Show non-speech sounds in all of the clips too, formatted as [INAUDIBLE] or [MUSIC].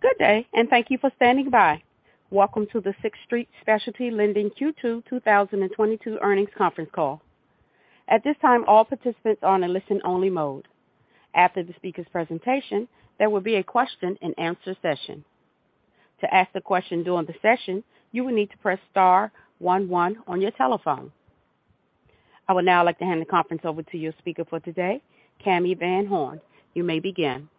Good day, and thank you for standing by. Welcome to the Sixth Street Specialty Lending Q2 2022 earnings conference call. At this time, all participants are on a listen-only mode. After the speaker's presentation, there will be a question-and-answer session. To ask the question during the session, you will need to press star one one on your telephone. I would now like to hand the conference over to your speaker for today, Cami VanHorn. You may begin.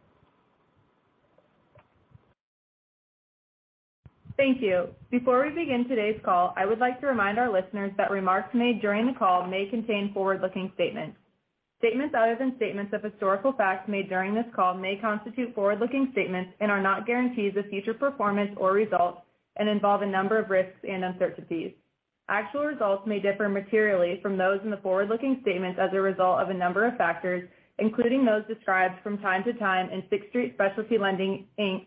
Thank you. Before we begin today's call, I would like to remind our listeners that remarks made during the call may contain forward-looking statements. Statements other than statements of historical facts made during this call may constitute forward-looking statements and are not guarantees of future performance or results and involve a number of risks and uncertainties. Actual results may differ materially from those in the forward-looking statements as a result of a number of factors, including those described from time to time in Sixth Street Specialty Lending, Inc.'s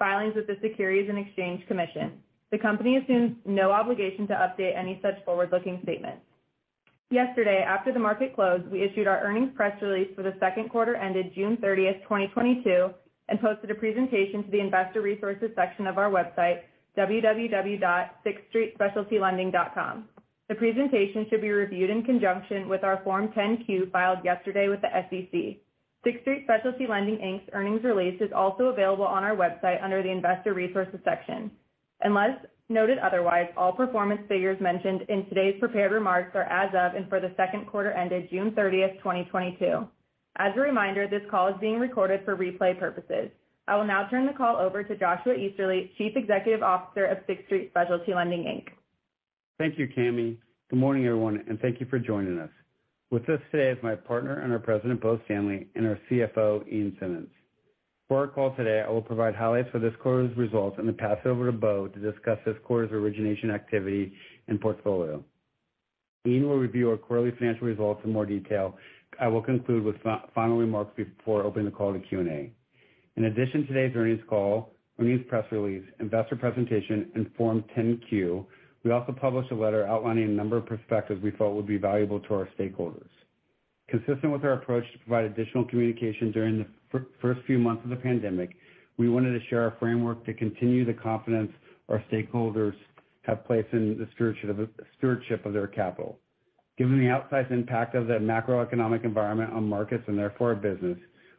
filings with the Securities and Exchange Commission. The company assumes no obligation to update any such forward-looking statements. Yesterday, after the market closed, we issued our earnings press release for the second quarter ended June 30th, 2022, and posted a presentation to the investor resources section of our website, www.sixthstreetspecialtylending.com. The presentation should be reviewed in conjunction with our Form 10-Q filed yesterday with the SEC. Sixth Street Specialty Lending, Inc.'s earnings release is also available on our website under the Investor Resources section. Unless noted otherwise, all performance figures mentioned in today's prepared remarks are as of and for the second quarter ended June 30th, 2022. As a reminder, this call is being recorded for replay purposes. I will now turn the call over to Joshua Easterly, Chief Executive Officer of Sixth Street Specialty Lending, Inc. Thank you, Cami. Good morning, everyone, and thank you for joining us. With us today is my partner and our President, Bo Stanley, and our CFO, Ian Simmonds. For our call today, I will provide highlights for this quarter's results and then pass over to Bo to discuss this quarter's origination activity and portfolio. Ian will review our quarterly financial results in more detail. I will conclude with final remarks before opening the call to Q&A. In addition to today's earnings call, earnings press release, investor presentation, and Form 10-Q, we also published a letter outlining a number of perspectives we felt would be valuable to our stakeholders. Consistent with our approach to provide additional communication during the first few months of the pandemic, we wanted to share our framework to continue the confidence our stakeholders have placed in the stewardship of their capital. Given the outsized impact of the macroeconomic environment on markets and therefore our business,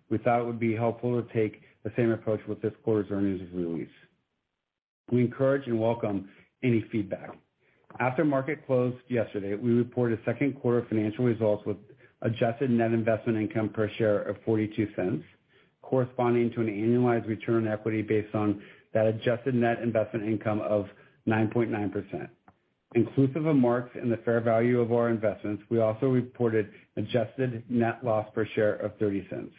we thought it would be helpful to take the same approach with this quarter's earnings release. We encourage and welcome any feedback. After market closed yesterday, we reported second quarter financial results with adjusted net investment income per share of $0.42, corresponding to an annualized return on equity based on that adjusted net investment income of 9.9%. Inclusive of marks in the fair value of our investments, we also reported adjusted net loss per share of $0.30.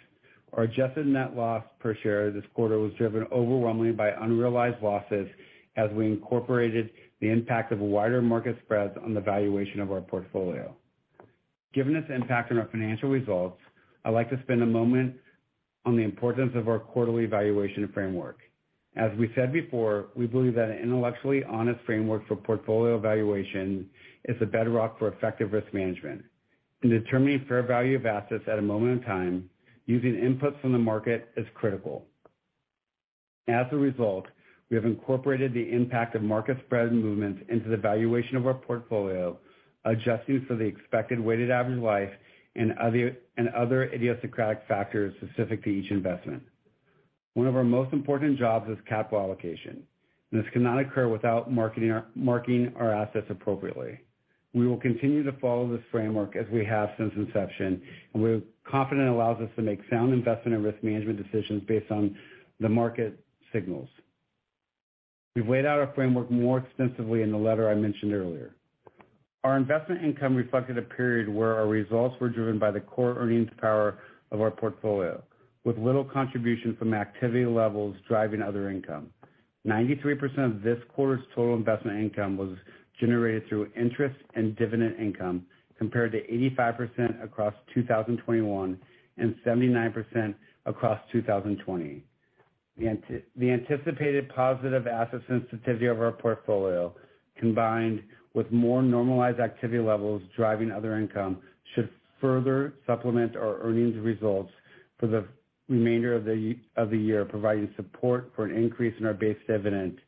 Our adjusted net loss per share this quarter was driven overwhelmingly by unrealized losses as we incorporated the impact of wider market spreads on the valuation of our portfolio. Given its impact on our financial results, I'd like to spend a moment on the importance of our quarterly valuation framework. As we said before, we believe that an intellectually honest framework for portfolio valuation is the bedrock for effective risk management. In determining fair value of assets at a moment in time, using inputs from the market is critical. As a result, we have incorporated the impact of market spread movements into the valuation of our portfolio, adjusting for the expected weighted average life and other idiosyncratic factors specific to each investment. One of our most important jobs is capital allocation. This cannot occur without marking our assets appropriately. We will continue to follow this framework as we have since inception, and we're confident it allows us to make sound investment and risk management decisions based on the market signals. We've laid out our framework more extensively in the letter I mentioned earlier. Our investment income reflected a period where our results were driven by the core earnings power of our portfolio, with little contribution from activity levels driving other income. 93% of this quarter's total investment income was generated through interest and dividend income, compared to 85% across 2021 and 79% across 2020. The anticipated positive asset sensitivity of our portfolio, combined with more normalized activity levels driving other income, should further supplement our earnings results for the remainder of the year, providing support for an increase in our base dividend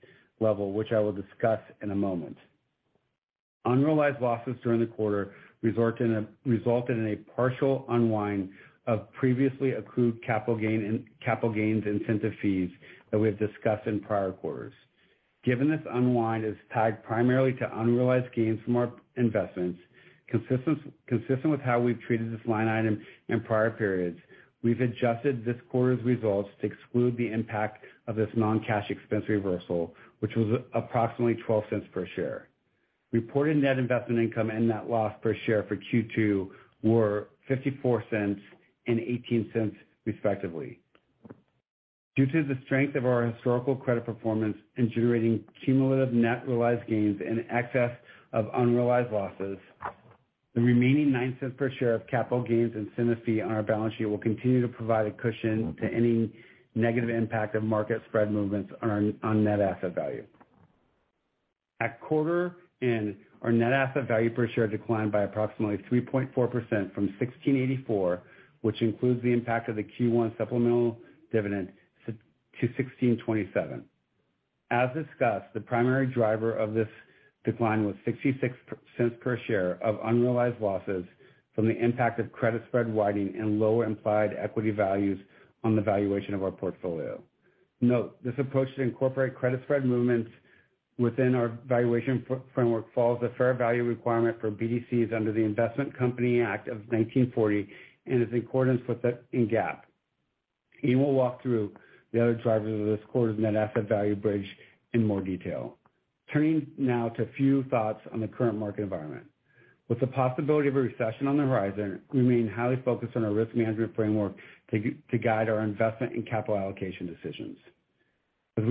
level, which I will discuss in a moment. Unrealized losses during the quarter resulted in a partial unwind of previously accrued capital gains incentive fees that we have discussed in prior quarters. Given this unwind is tagged primarily to unrealized gains from our investments, consistent with how we've treated this line item in prior periods, we've adjusted this quarter's results to exclude the impact of this non-cash expense reversal, which was approximately $0.12 per share. Reported net investment income and net loss per share for Q2 were $0.54 and $0.18 respectively. Due to the strength of our historical credit performance in generating cumulative net realized gains in excess of unrealized losses, the remaining $0.09 per share of capital gains incentive fee on our balance sheet will continue to provide a cushion to any negative impact of market spread movements on net asset value. At quarter end, our net asset value per share declined by approximately 3.4% from $16.84, which includes the impact of the Q1 supplemental dividend to $16.27. As discussed, the primary driver of this decline was $0.66 per share of unrealized losses from the impact of credit spread widening and lower implied equity values on the valuation of our portfolio. Note, this approach to incorporate credit spread movements within our valuation framework follows a fair value requirement for BDCs under the Investment Company Act of 1940 and is in accordance with it in GAAP. Ian will walk through the other drivers of this quarter's net asset value bridge in more detail. Turning now to a few thoughts on the current market environment. With the possibility of a recession on the horizon, we remain highly focused on our risk management framework to guide our investment and capital allocation decisions. As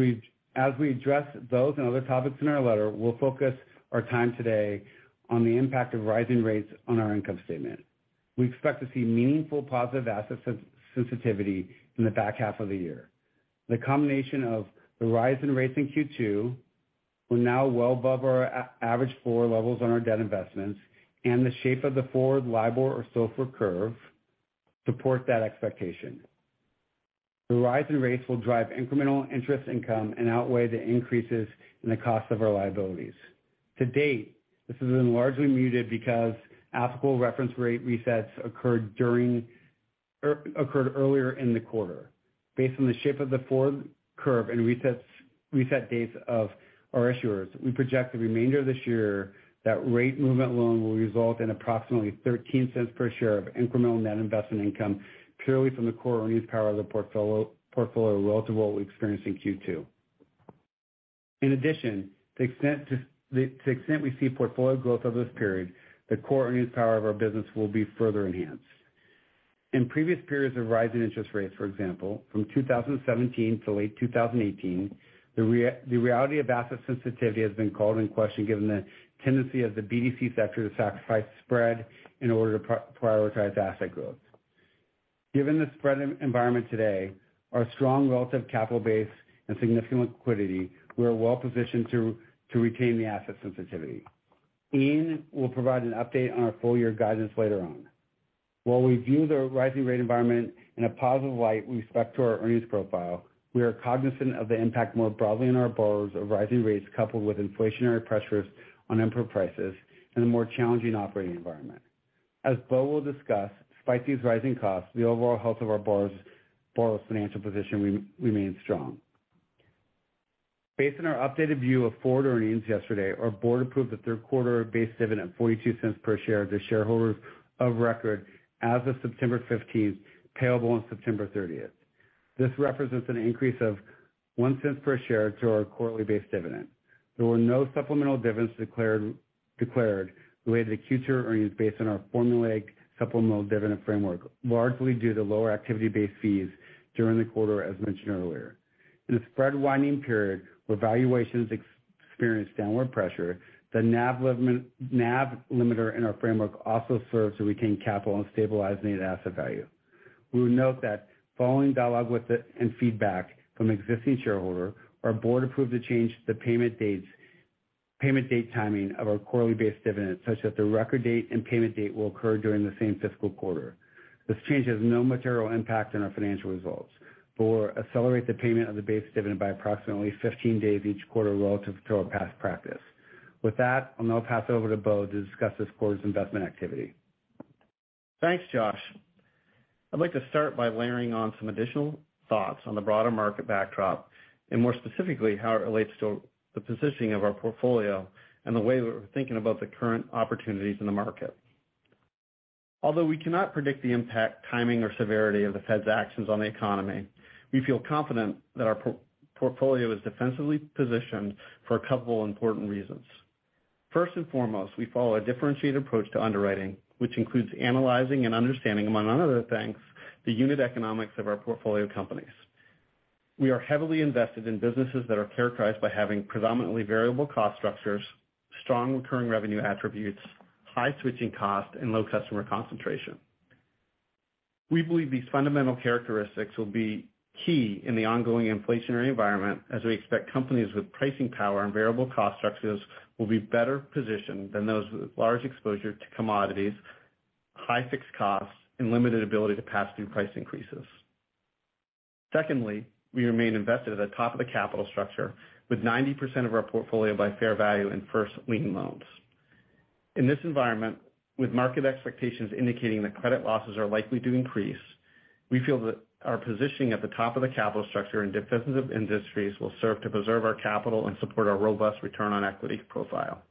we address those and other topics in our letter, we'll focus our time today on the impact of rising rates on our income statement. We expect to see meaningful positive asset sensitivity in the back half of the year. The combination of the rise in rates in Q2, we're now well above our average floor levels on our debt investments and the shape of the forward LIBOR or SOFR curve support that expectation. The rise in rates will drive incremental interest income and outweigh the increases in the cost of our liabilities. To date, this has been largely muted because applicable reference rate resets occurred earlier in the quarter. Based on the shape of the forward curve and reset dates of our issuers, we project the remainder of this year that rate movement alone will result in approximately $0.13 per share of incremental net investment income purely from the core earnings power of the portfolio relative to what we experienced in Q2. In addition, to the extent we see portfolio growth over this period, the core earnings power of our business will be further enhanced. In previous periods of rising interest rates, for example, from 2017 to late 2018, the reality of asset sensitivity has been called into question given the tendency of the BDC sector to sacrifice spread in order to prioritize asset growth. Given the spread environment today, our strong relative capital base and significant liquidity, we are well positioned to retain the asset sensitivity. Ian will provide an update on our full year guidance later on. While we view the rising rate environment in a positive light with respect to our earnings profile, we are cognizant of the impact more broadly on our borrowers of rising rates coupled with inflationary pressures on input prices and a more challenging operating environment. As Bo will discuss, despite these rising costs, the overall health of our borrowers' financial position remains strong. Based on our updated view of forward earnings yesterday, our board approved the third quarter base dividend of $0.42 per share to shareholders of record as of September 15th, payable on September 30th. This represents an increase of $0.01 per share to our quarterly base dividend. There were no supplemental dividends declared related to Q2 earnings based on our formulaic supplemental dividend framework, largely due to lower activity-based fees during the quarter, as mentioned earlier. In a spread widening period where valuations experienced downward pressure, the NAV limiter in our framework also serves to retain capital and stabilize net asset value. We will note that following dialogue with and feedback from existing shareholder, our board approved a change to the payment date timing of our quarterly base dividends such that the record date and payment date will occur during the same fiscal quarter. This change has no material impact on our financial results but will accelerate the payment of the base dividend by approximately 15 days each quarter relative to our past practice. With that, I'll now pass it over to Bo to discuss this quarter's investment activity. Thanks, Josh. I'd like to start by layering on some additional thoughts on the broader market backdrop and more specifically how it relates to the positioning of our portfolio and the way that we're thinking about the current opportunities in the market. Although we cannot predict the impact, timing, or severity of the Fed's actions on the economy, we feel confident that our portfolio is defensively positioned for a couple important reasons. First and foremost, we follow a differentiated approach to underwriting, which includes analyzing and understanding, among other things, the unit economics of our portfolio companies. We are heavily invested in businesses that are characterized by having predominantly variable cost structures, strong recurring revenue attributes, high switching costs, and low customer concentration. We believe these fundamental characteristics will be key in the ongoing inflationary environment as we expect companies with pricing power and variable cost structures will be better positioned than those with large exposure to commodities, high fixed costs, and limited ability to pass through price increases. Secondly, we remain invested at the top of the capital structure with 90% of our portfolio by fair value in first lien loans. In this environment, with market expectations indicating that credit losses are likely to increase, we feel that our positioning at the top of the capital structure in defensive industries will serve to preserve our capital and support our robust return on equity profile.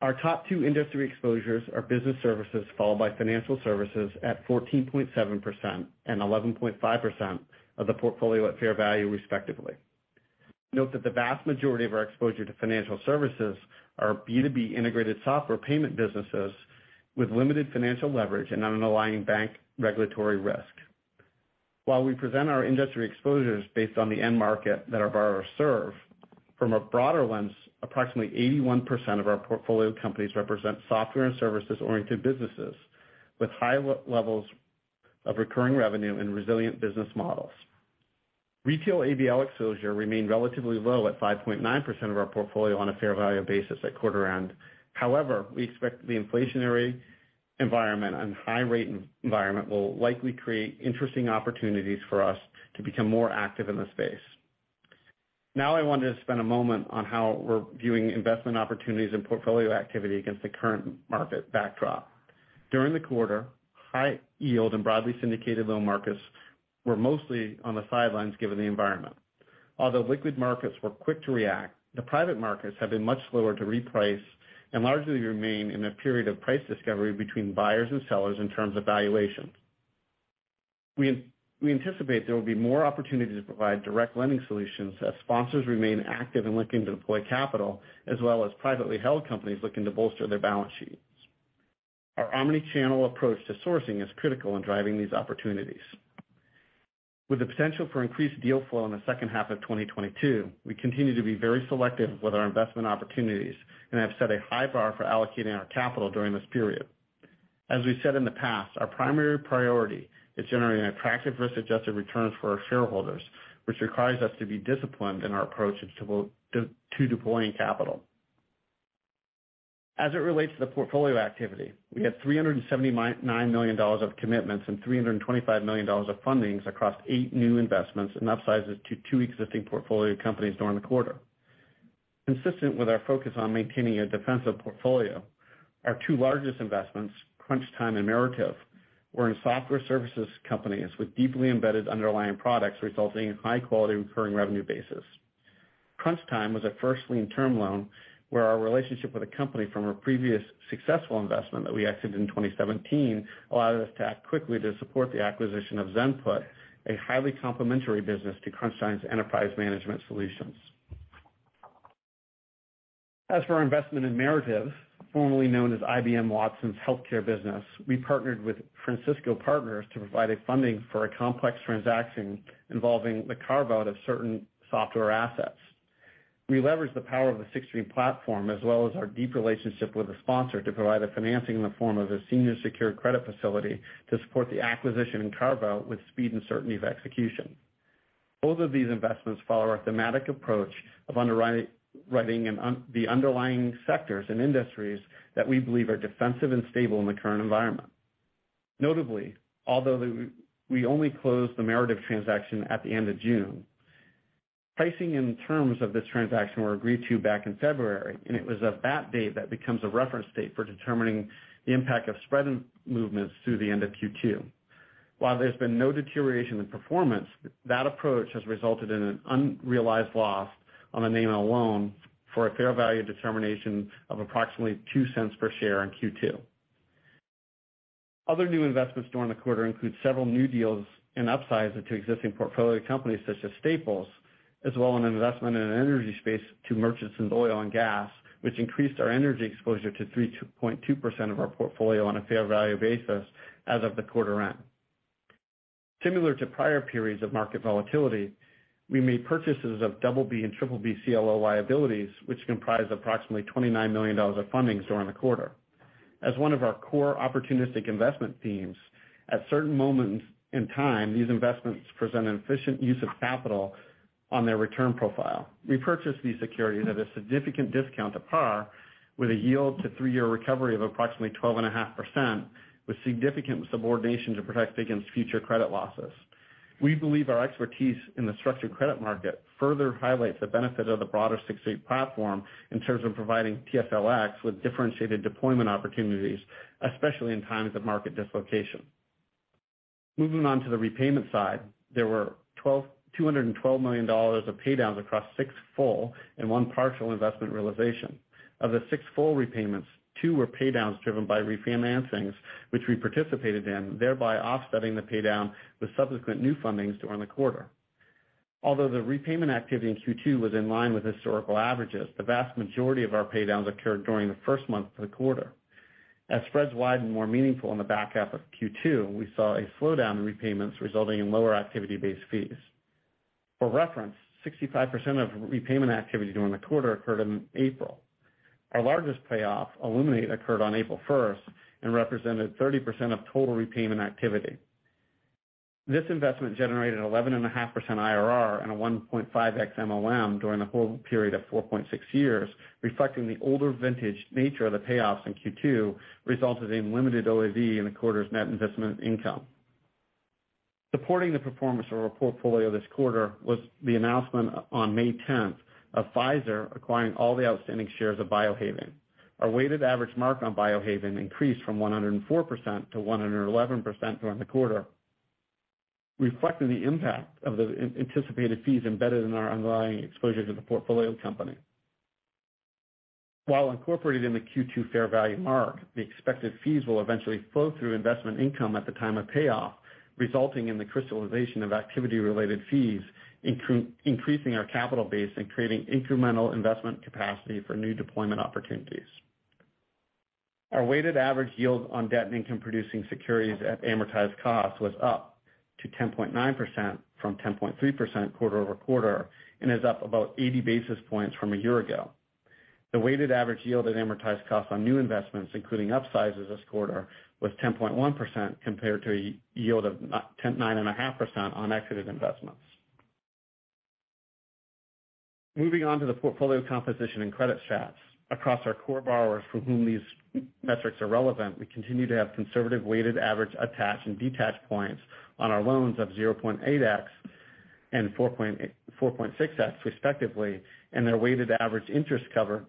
Our top two industry exposures are business services followed by financial services at 14.7% and 11.5% of the portfolio at fair value respectively. Note that the vast majority of our exposure to financial services are B2B integrated software payment businesses with limited financial leverage and non-aligning bank regulatory risk. While we present our industry exposures based on the end market that our borrowers serve, from a broader lens, approximately 81% of our portfolio companies represent software and services-oriented businesses with high levels of recurring revenue and resilient business models. Retail ABL exposure remained relatively low at 5.9% of our portfolio on a fair value basis at quarter end. However, we expect the inflationary environment and high rate environment will likely create interesting opportunities for us to become more active in the space. Now I want to spend a moment on how we're viewing investment opportunities and portfolio activity against the current market backdrop. During the quarter, high yield and broadly syndicated loan markets were mostly on the sidelines given the environment. Although liquid markets were quick to react, the private markets have been much slower to reprice and largely remain in a period of price discovery between buyers and sellers in terms of valuation. We anticipate there will be more opportunities to provide direct lending solutions as sponsors remain active in looking to deploy capital, as well as privately held companies looking to bolster their balance sheets. Our omni-channel approach to sourcing is critical in driving these opportunities. With the potential for increased deal flow in the second half of 2022, we continue to be very selective with our investment opportunities and have set a high bar for allocating our capital during this period. As we said in the past, our primary priority is generating attractive risk-adjusted returns for our shareholders, which requires us to be disciplined in our approach to deploying capital. As it relates to the portfolio activity, we had $379 million of commitments and $325 million of fundings across eight new investments and upsizes to two existing portfolio companies during the quarter. Consistent with our focus on maintaining a defensive portfolio, our two largest investments, Crunchtime and Merative, were in software services companies with deeply embedded underlying products resulting in high-quality recurring revenue basis. Crunchtime was a first lien term loan where our relationship with the company from a previous successful investment that we exited in 2017 allowed us to act quickly to support the acquisition of Zenput, a highly complementary business to Crunchtime's enterprise management solutions. As for our investment in Merative, formerly known as IBM Watson Healthcare business, we partnered with Francisco Partners to provide a funding for a complex transaction involving the carve-out of certain software assets. We leveraged the power of the Sixth Street platform as well as our deep relationship with the sponsor to provide a financing in the form of a senior secured credit facility to support the acquisition and carve-out with speed and certainty of execution. Both of these investments follow our thematic approach of underwriting the underlying sectors and industries that we believe are defensive and stable in the current environment. Notably, although we only closed the Merative transaction at the end of June, pricing and terms of this transaction were agreed to back in February, and it was at that date that becomes a reference date for determining the impact of spread movements through the end of Q2. While there's been no deterioration in performance, that approach has resulted in an unrealized loss on the name alone for a fair value determination of approximately $0.02 per share in Q2. Other new investments during the quarter include several new deals and upsides to existing portfolio companies such as Staples, as well as an investment in an energy space, two merchants in oil and gas, which increased our energy exposure to 3.2% of our portfolio on a fair value basis as of the quarter end. Similar to prior periods of market volatility, we made purchases of BB and BBB CLO liabilities, which comprise approximately $29 million of fundings during the quarter. As one of our core opportunistic investment themes, at certain moments in time, these investments present an efficient use of capital on their return profile. We purchased these securities at a significant discount to par with a yield to three-year recovery of approximately 12.5%, with significant subordination to protect against future credit losses. We believe our expertise in the structured credit market further highlights the benefit of the broader Sixth Street platform in terms of providing TSLX with differentiated deployment opportunities, especially in times of market dislocation. Moving on to the repayment side, there were $212 million of pay downs across six full and one partial investment realization. Of the six full repayments, two were pay downs driven by refinancings which we participated in, thereby offsetting the pay down with subsequent new fundings during the quarter. Although the repayment activity in Q2 was in line with historical averages, the vast majority of our pay downs occurred during the first month of the quarter. As spreads widened more meaningfully in the back half of Q2, we saw a slowdown in repayments resulting in lower activity-based fees. For reference, 65% of repayment activity during the quarter occurred in April. Our largest payoff, Illuminate, occurred on April 1st and represented 30% of total repayment activity. This investment generated 11.5% IRR and a 1.5x MOM during a hold period of 4.6 years, reflecting the older vintage nature of the payoffs in Q2, resulting in limited OIV in the quarter's net investment income. Supporting the performance of our portfolio this quarter was the announcement on May 10th of Pfizer acquiring all the outstanding shares of Biohaven. Our weighted average mark on Biohaven increased from 104% to 111% during the quarter, reflecting the impact of the anticipated fees embedded in our underlying exposure to the portfolio company. While incorporated in the Q2 fair value mark, the expected fees will eventually flow through investment income at the time of payoff, resulting in the crystallization of activity-related fees, increasing our capital base and creating incremental investment capacity for new deployment opportunities. Our weighted average yield on debt and income-producing securities at amortized cost was up to 10.9% from 10.3% quarter-over-quarter and is up about 80 basis points from a year ago. The weighted average yield and amortized cost on new investments, including upsizes this quarter, was 10.1% compared to a yield of 9.5% on exited investments. Moving on to the portfolio composition and credit stats. Across our core borrowers for whom these metrics are relevant, we continue to have conservative weighted average attached and detached points on our loans of 0.8x and 4.6x respectively, and their weighted average interest coverage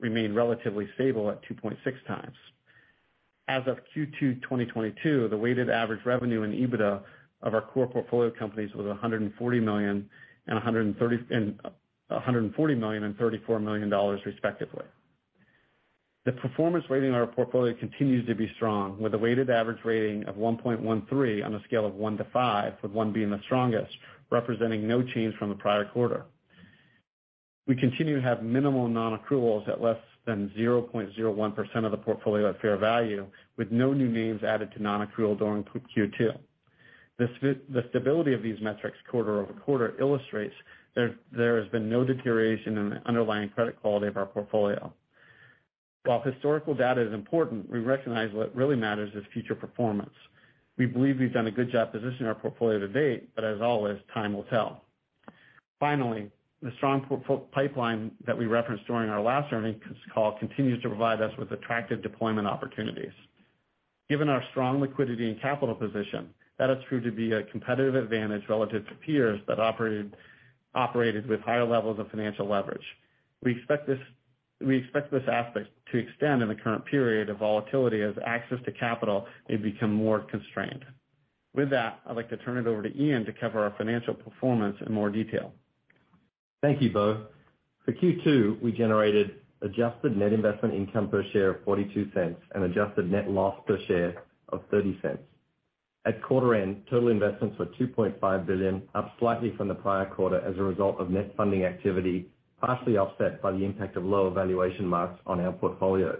remained relatively stable at 2.6x. As of Q2 2022, the weighted average revenue and EBITDA of our core portfolio companies was $140 million and $34 million respectively. The performance rating on our portfolio continues to be strong, with a weighted average rating of 1.13 on a scale of 1 to 5, with 1 being the strongest, representing no change from the prior quarter. We continue to have minimal non-accruals at less than 0.01% of the portfolio at fair value, with no new names added to non-accrual during Q2. The stability of these metrics quarter-over-quarter illustrates there has been no deterioration in the underlying credit quality of our portfolio. While historical data is important, we recognize what really matters is future performance. We believe we've done a good job positioning our portfolio to date, but as always, time will tell. Finally, the strong portfolio pipeline that we referenced during our last earnings call continues to provide us with attractive deployment opportunities. Given our strong liquidity and capital position, that has proved to be a competitive advantage relative to peers that operated with higher levels of financial leverage. We expect this aspect to extend in the current period of volatility as access to capital may become more constrained. With that, I'd like to turn it over to Ian to cover our financial performance in more detail. Thank you, Bo. For Q2, we generated adjusted net investment income per share of $0.42 and adjusted net loss per share of $0.30. At quarter end, total investments were $2.5 billion, up slightly from the prior quarter as a result of net funding activity, partially offset by the impact of lower valuation marks on our portfolio.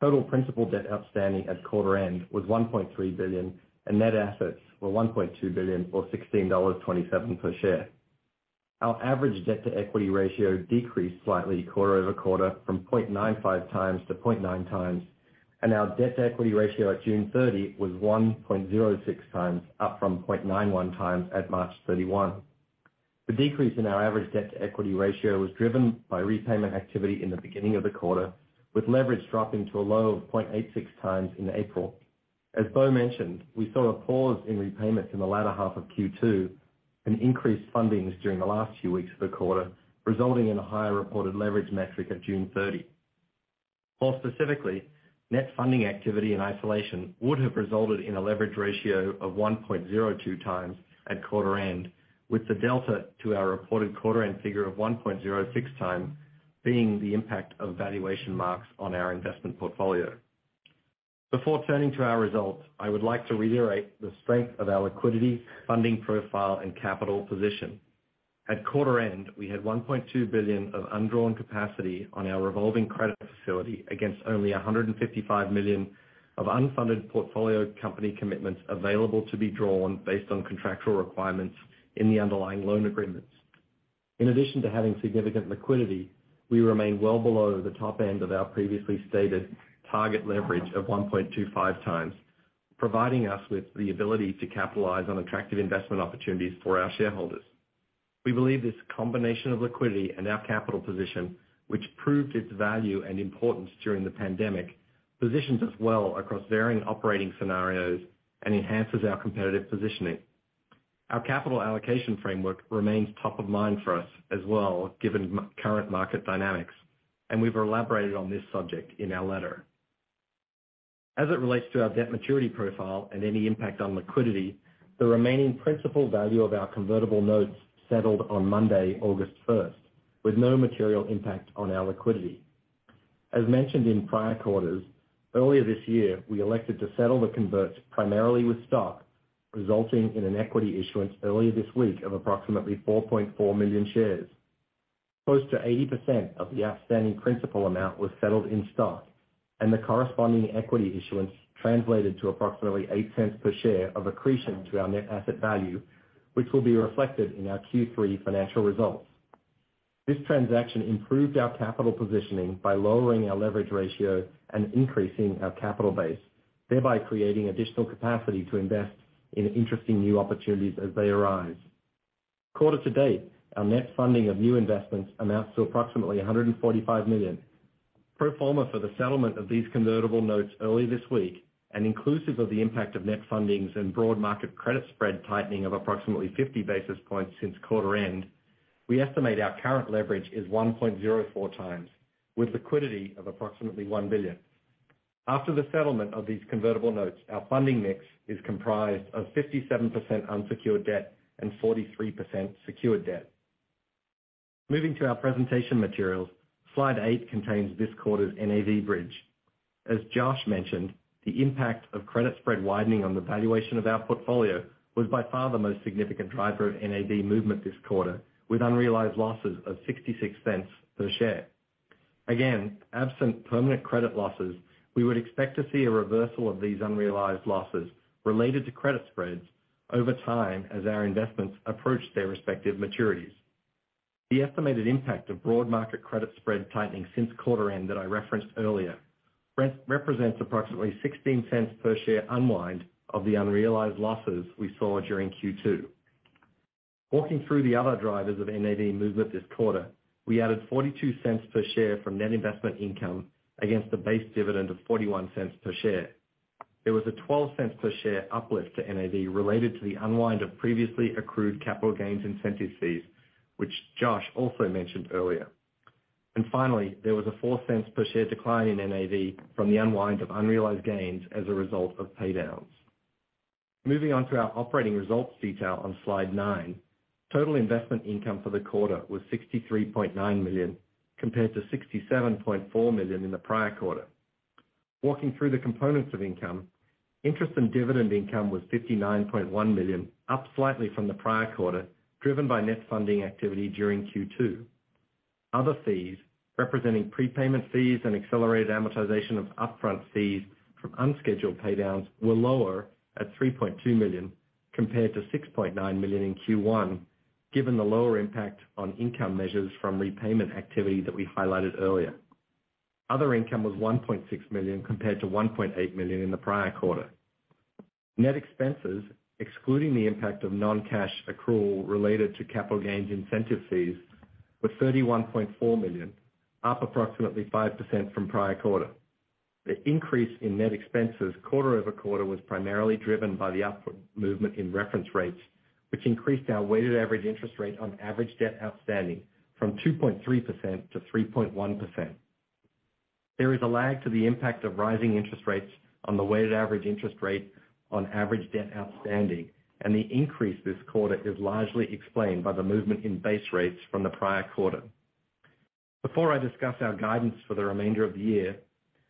Total principal debt outstanding at quarter end was $1.3 billion, and net assets were $1.2 billion or $16.27 per share. Our average debt-to-equity ratio decreased slightly quarter-over-quarter from 0.95x to 0.9x, and our debt-to-equity ratio at June 30 was 1.06x, up from 0.91x at March 31. The decrease in our average debt-to-equity ratio was driven by repayment activity in the beginning of the quarter, with leverage dropping to a low of 0.86x in April. As Bo mentioned, we saw a pause in repayments in the latter half of Q2 and increased fundings during the last few weeks of the quarter, resulting in a higher reported leverage metric at June 30. More specifically, net funding activity in isolation would have resulted in a leverage ratio of 1.02x at quarter end, with the delta to our reported quarter end figure of 1.06x being the impact of valuation marks on our investment portfolio. Before turning to our results, I would like to reiterate the strength of our liquidity, funding profile and capital position. At quarter end, we had $1.2 billion of undrawn capacity on our revolving credit facility against only $155 million of unfunded portfolio company commitments available to be drawn based on contractual requirements in the underlying loan agreements. In addition to having significant liquidity, we remain well below the top end of our previously stated target leverage of 1.25x, providing us with the ability to capitalize on attractive investment opportunities for our shareholders. We believe this combination of liquidity and our capital position, which proved its value and importance during the pandemic, positions us well across varying operating scenarios and enhances our competitive positioning. Our capital allocation framework remains top of mind for us as well, given current market dynamics, and we've elaborated on this subject in our letter. As it relates to our debt maturity profile and any impact on liquidity, the remaining principal value of our convertible notes settled on Monday, August 1st, with no material impact on our liquidity. As mentioned in prior quarters, earlier this year, we elected to settle the converts primarily with stock, resulting in an equity issuance earlier this week of approximately 4.4 million shares. Close to 80% of the outstanding principal amount was settled in stock, and the corresponding equity issuance translated to approximately $0.08 per share of accretion to our net asset value, which will be reflected in our Q3 financial results. This transaction improved our capital positioning by lowering our leverage ratio and increasing our capital base, thereby creating additional capacity to invest in interesting new opportunities as they arise. Quarter to date, our net funding of new investments amounts to approximately $145 million. Pro forma for the settlement of these convertible notes early this week, and inclusive of the impact of net fundings and broad market credit spread tightening of approximately 50 basis points since quarter end, we estimate our current leverage is 1.04x, with liquidity of approximately $1 billion. After the settlement of these convertible notes, our funding mix is comprised of 57% unsecured debt and 43% secured debt. Moving to our presentation materials. Slide eight contains this quarter's NAV bridge. As Josh mentioned, the impact of credit spread widening on the valuation of our portfolio was by far the most significant driver of NAV movement this quarter, with unrealized losses of $0.66 per share. Again, absent permanent credit losses, we would expect to see a reversal of these unrealized losses related to credit spreads over time, as our investments approach their respective maturities. The estimated impact of broad market credit spread tightening since quarter end that I referenced earlier, represents approximately $0.16 per share unwind of the unrealized losses we saw during Q2. Walking through the other drivers of NAV movement this quarter, we added $0.42 per share from net investment income against a base dividend of $0.41 per share. There was a $0.12 per share uplift to NAV related to the unwind of previously accrued capital gains incentive fees, which Josh also mentioned earlier. Finally, there was a $0.04 per share decline in NAV from the unwind of unrealized gains as a result of pay downs. Moving on to our operating results detail on slide nine. Total investment income for the quarter was $63.9 million, compared to $67.4 million in the prior quarter. Walking through the components of income, interest and dividend income was $59.1 million, up slightly from the prior quarter, driven by net funding activity during Q2. Other fees, representing prepayment fees and accelerated amortization of upfront fees from unscheduled pay downs were lower at $3.2 million compared to $6.9 million in Q1, given the lower impact on income measures from repayment activity that we highlighted earlier. Other income was $1.6 million compared to $1.8 million in the prior quarter. Net expenses, excluding the impact of non-cash accrual related to capital gains incentive fees, were $31.4 million, up approximately 5% from prior quarter. The increase in net expenses quarter-over-quarter was primarily driven by the upward movement in reference rates, which increased our weighted average interest rate on average debt outstanding from 2.3% to 3.1%. There is a lag to the impact of rising interest rates on the weighted average interest rate on average debt outstanding, and the increase this quarter is largely explained by the movement in base rates from the prior quarter. Before I discuss our guidance for the remainder of the year,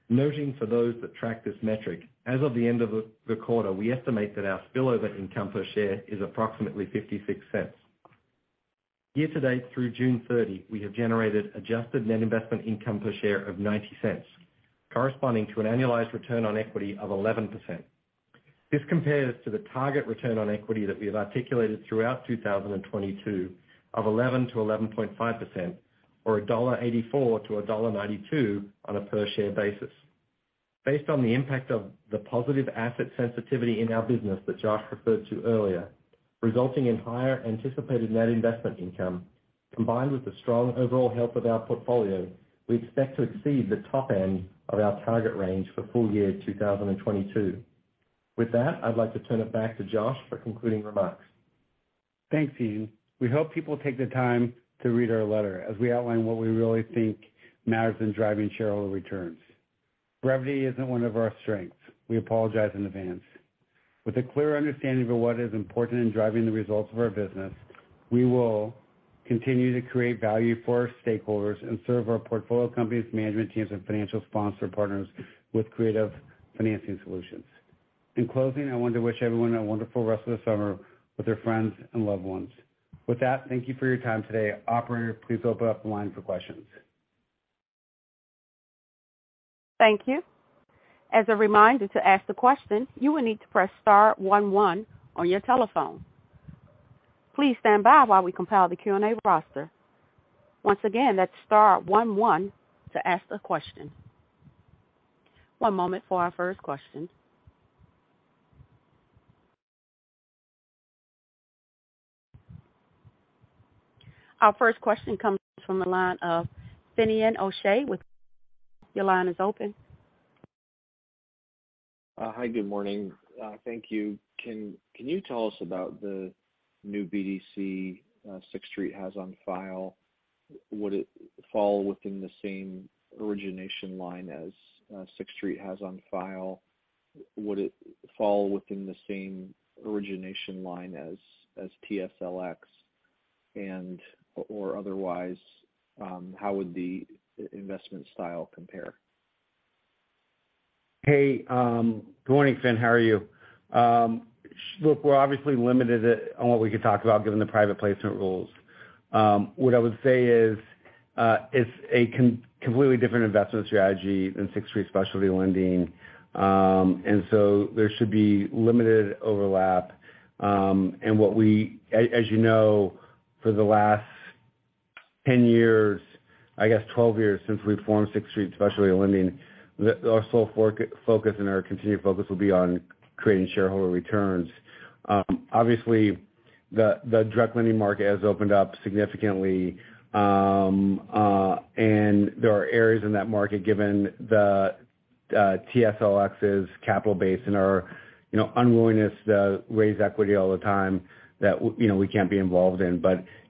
noting for those that track this metric, as of the end of the quarter, we estimate that our spillover income per share is approximately $0.56. Year to date through June 30, we have generated adjusted net investment income per share of $0.90, corresponding to an annualized return on equity of 11%. This compares to the target return on equity that we have articulated throughout 2022 of 11%-11.5% or $1.84-$1.92 on a per share basis. Based on the impact of the positive asset sensitivity in our business that Josh referred to earlier, resulting in higher anticipated net investment income, combined with the strong overall health of our portfolio, we expect to exceed the top end of our target range for full year 2022. With that, I'd like to turn it back to Josh for concluding remarks. Thanks, Ian. We hope people take the time to read our letter as we outline what we really think matters in driving shareholder returns. Brevity isn't one of our strengths. We apologize in advance. With a clear understanding of what is important in driving the results of our business, we will continue to create value for our stakeholders and serve our portfolio companies, management teams, and financial sponsor partners with creative financing solutions. In closing, I want to wish everyone a wonderful rest of the summer with their friends and loved ones. With that, thank you for your time today. Operator, please open up the line for questions. Thank you. As a reminder to ask the question, you will need to press star one one on your telephone. Please stand by while we compile the Q&A roster. Once again, that's star one one to ask a question. One moment for our first question. Our first question comes from the line of Finian O'Shea with. [AUDIO DISTORTION] Your line is open. Hi, good morning. Thank you. Can you tell us about the new BDC Sixth Street has on file? Would it fall within the same origination line as Sixth Street has on file? Would it fall within the same origination line as TSLX and or otherwise, how would the investment style compare? Hey, good morning, Finn. How are you? Look, we're obviously limited on what we could talk about given the private placement rules. What I would say is, it's a completely different investment strategy than Sixth Street Specialty Lending. There should be limited overlap. As you know, for the last 10 years, I guess 12 years since we formed Sixth Street Specialty Lending, our sole focus and our continued focus will be on creating shareholder returns. Obviously, the direct lending market has opened up significantly. There are areas in that market, given TSLX's capital base and our, you know, unwillingness to raise equity all the time that you know, we can't be involved in.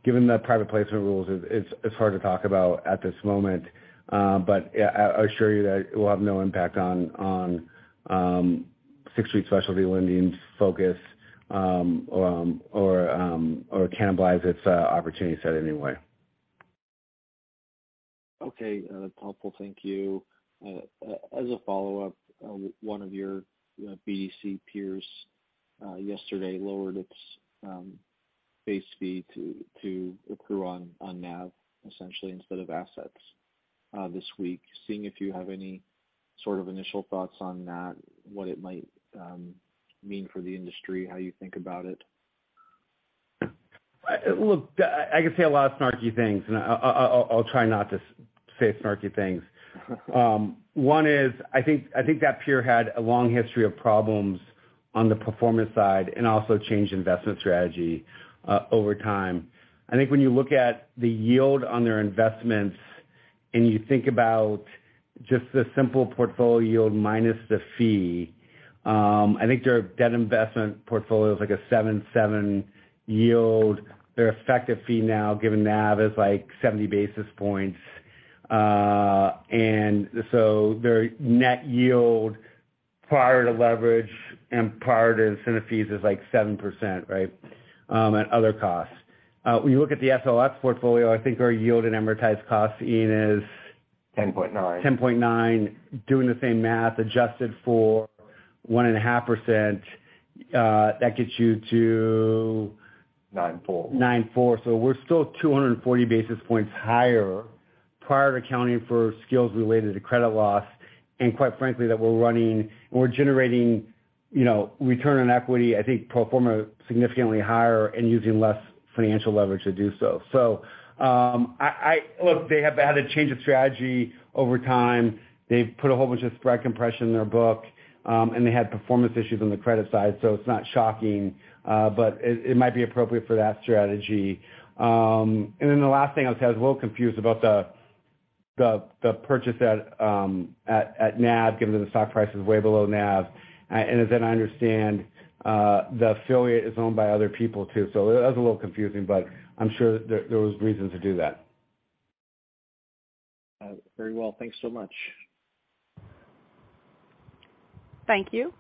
Given the private placement rules, it's hard to talk about at this moment. I assure you that it will have no impact on Sixth Street Specialty Lending's focus, or cannibalize its opportunity set in any way. Okay. Helpful. Thank you. As a follow-up, one of your BDC peers yesterday lowered its base fee to accrue on NAV, essentially, instead of assets this week, seeing if you have any sort of initial thoughts on that, what it might mean for the industry, how you think about it. Look, I could say a lot of snarky things, and I'll try not to say snarky things. One is, I think that peer had a long history of problems on the performance side and also changed investment strategy over time. I think when you look at the yield on their investments and you think about just the simple portfolio yield minus the fee, I think their debt investment portfolio is like a 7.7 yield. Their effective fee now, given NAV, is like 70 basis points. Their net yield prior to leverage and prior to incentive fees is like 7%, right? Other costs. When you look at the TSLX portfolio, I think our yield and amortized cost is- 10.9. 10.9. Doing the same math, adjusted for 1.5%, that gets you to. 94. 9.4. We're still 240 basis points higher prior to accounting for related to credit loss, and quite frankly, we're generating, you know, return on equity, I think pro forma significantly higher and using less financial leverage to do so. Look, they have had a change of strategy over time. They've put a whole bunch of spread compression in their book, and they had performance issues on the credit side, so it's not shocking, but it might be appropriate for that strategy. Then the last thing I'll say, I was a little confused about the purchase at NAV, given that the stock price is way below NAV. As I understand, the affiliate is owned by other people too. That was a little confusing, but I'm sure there was reason to do that. Very well. Thanks so much. Thank you.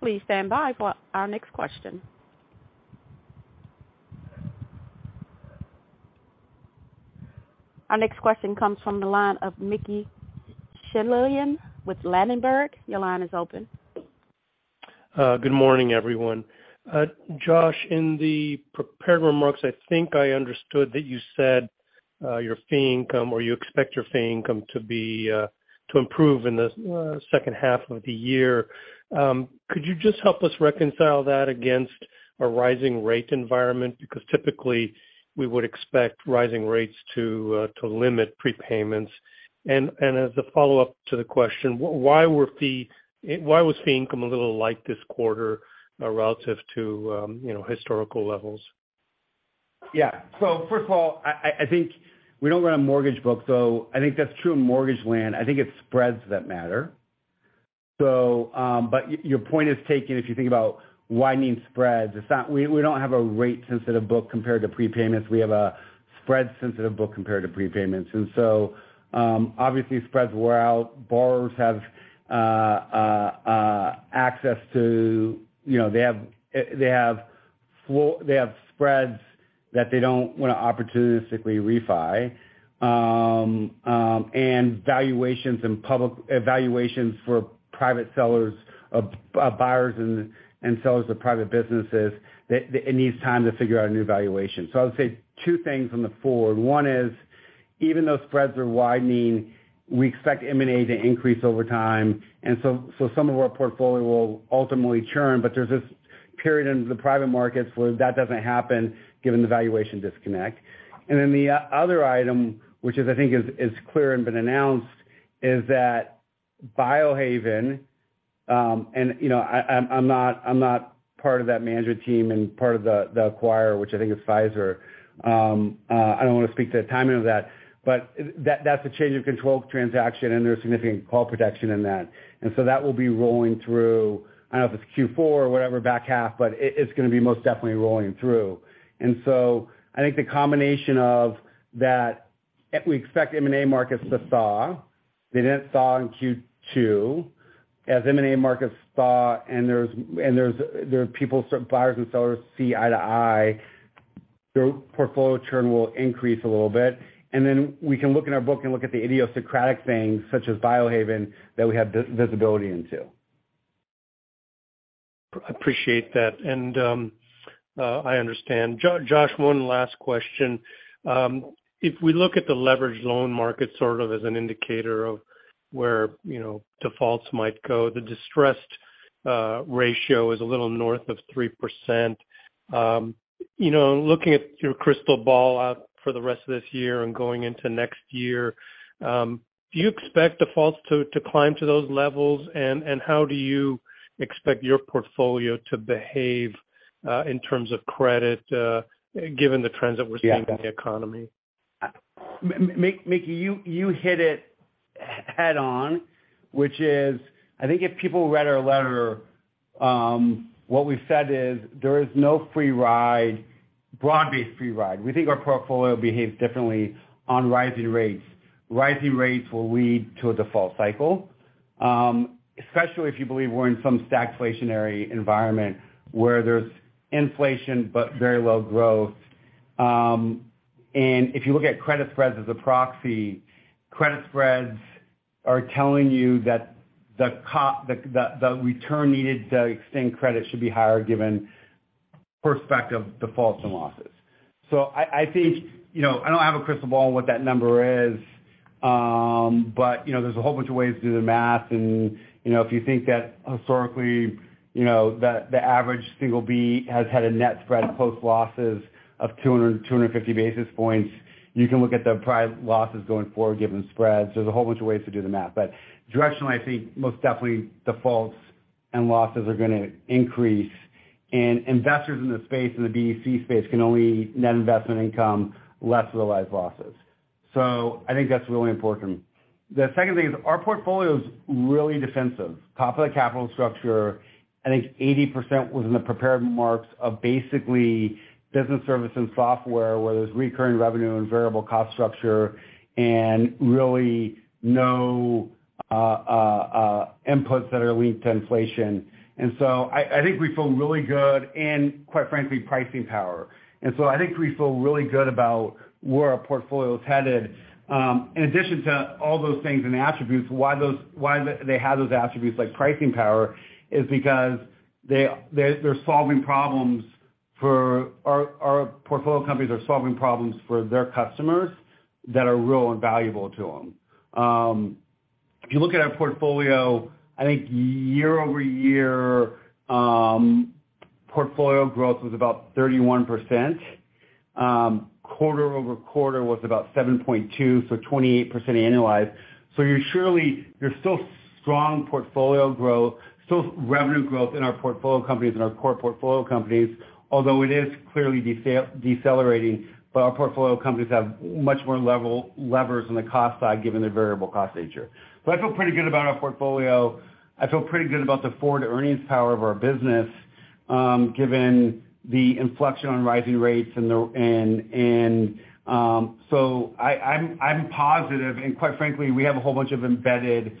Please stand by for our next question. Our next question comes from the line of Mickey Schleien with Ladenburg. Your line is open. Good morning, everyone. Josh, in the prepared remarks, I think I understood that you said, your fee income or you expect your fee income to be, to improve in the second half of the year. Could you just help us reconcile that against a rising rate environment? Because typically we would expect rising rates to limit prepayments. As a follow-up to the question, why was fee income a little light this quarter, relative to you know, historical levels? Yeah. First of all, I think we don't run a mortgage book, so I think that's true in mortgage land. I think it's spreads that matter. Your point is taken. If you think about widening spreads, we don't have a rate-sensitive book compared to prepayments. We have a spread-sensitive book compared to prepayments. Obviously spreads wore out. Borrowers have access to, you know, they have spreads that they don't wanna opportunistically refi. Valuations for private sellers and buyers and sellers of private businesses that it needs time to figure out a new valuation. I would say two things on the forward. One is, even though spreads are widening, we expect M&A to increase over time. Some of our portfolio will ultimately churn, but there's this period in the private markets where that doesn't happen given the valuation disconnect. The other item, which I think is clear and has been announced, is that Biohaven, and you know, I'm not part of that management team and part of the acquirer, which I think is Pfizer. I don't want to speak to the timing of that, but that's a change of control transaction, and there's significant call protection in that. That will be rolling through. I don't know if it's Q4 or whatever back half, but it's going to be most definitely rolling through. I think the combination of that, we expect M&A markets to thaw. They didn't thaw in Q2. As M&A markets thaw and certain buyers and sellers see eye to eye, their portfolio churn will increase a little bit. Then we can look in our book and look at the idiosyncratic things such as Biohaven that we have visibility into. Appreciate that. I understand. Josh, one last question. If we look at the leveraged loan market sort of as an indicator of where, you know, defaults might go, the distressed ratio is a little north of 3%. You know, looking at your crystal ball out for the rest of this year and going into next year, do you expect defaults to climb to those levels? How do you expect your portfolio to behave in terms of credit given the trends that we're seeing in the economy? Yeah. Mickey, you hit it head on, which is, I think if people read our letter, what we've said is there is no free ride, broad-based free ride. We think our portfolio behaves differently on rising rates. Rising rates will lead to a default cycle, especially if you believe we're in some stagflationary environment where there's inflation but very low growth. If you look at credit spreads as a proxy, credit spreads are telling you that the return needed to extend credit should be higher given prospective defaults and losses. I think, you know, I don't have a crystal ball on what that number is. You know, there's a whole bunch of ways to do the math and, you know, if you think that historically, you know, the average single B has had a net spread post losses of 200-250 basis points, you can look at the price losses going forward, given spreads. There's a whole bunch of ways to do the math. Directionally, I think most definitely defaults and losses are gonna increase, and investors in the space, in the B, C space can only net investment income, less realized losses. I think that's really important. The second thing is our portfolio is really defensive. Top of the capital structure, I think 80% was in the prepared marks of basically business service and software, where there's recurring revenue and variable cost structure and really no inputs that are linked to inflation. I think we feel really good and quite frankly, pricing power. I think we feel really good about where our portfolio is headed. In addition to all those things and attributes, why they have those attributes like pricing power is because they're solving problems for our portfolio companies are solving problems for their customers that are real and valuable to them. If you look at our portfolio, I think year-over-year portfolio growth was about 31%. Quarter-over-quarter was about 7.2, so 28% annualized. You're still strong portfolio growth, still revenue growth in our portfolio companies and our core portfolio companies, although it is clearly decelerating, but our portfolio companies have much more levers on the cost side, given their variable cost nature. I feel pretty good about our portfolio. I feel pretty good about the forward earnings power of our business, given the inflection on rising rates, and I'm positive, and quite frankly, we have a whole bunch of embedded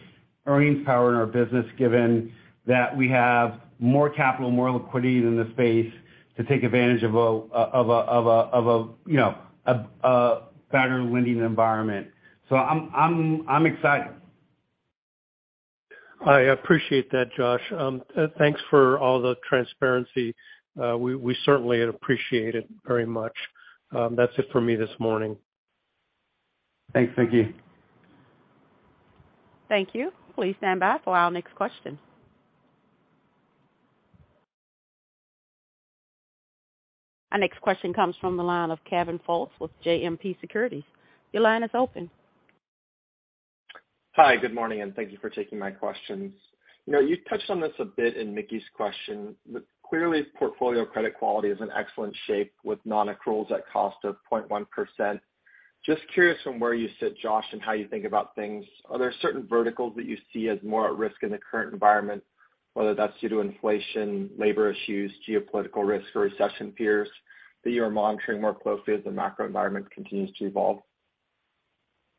earnings power in our business, given that we have more capital, more liquidity in the space to take advantage of a, you know, a better lending environment. I'm excited. I appreciate that, Josh. Thanks for all the transparency. We certainly appreciate it very much. That's it for me this morning. Thanks, Mickey. Thank you. Please stand by for our next question. Our next question comes from the line of Kevin Fultz with JMP Securities. Your line is open. Hi, good morning, and thank you for taking my questions. You know, you touched on this a bit in Mickey's question. Clearly, portfolio credit quality is in excellent shape with non-accruals at cost of 0.1%. Just curious from where you sit, Josh, and how you think about things. Are there certain verticals that you see as more at risk in the current environment, whether that's due to inflation, labor issues, geopolitical risk or recession fears that you are monitoring more closely as the macro environment continues to evolve?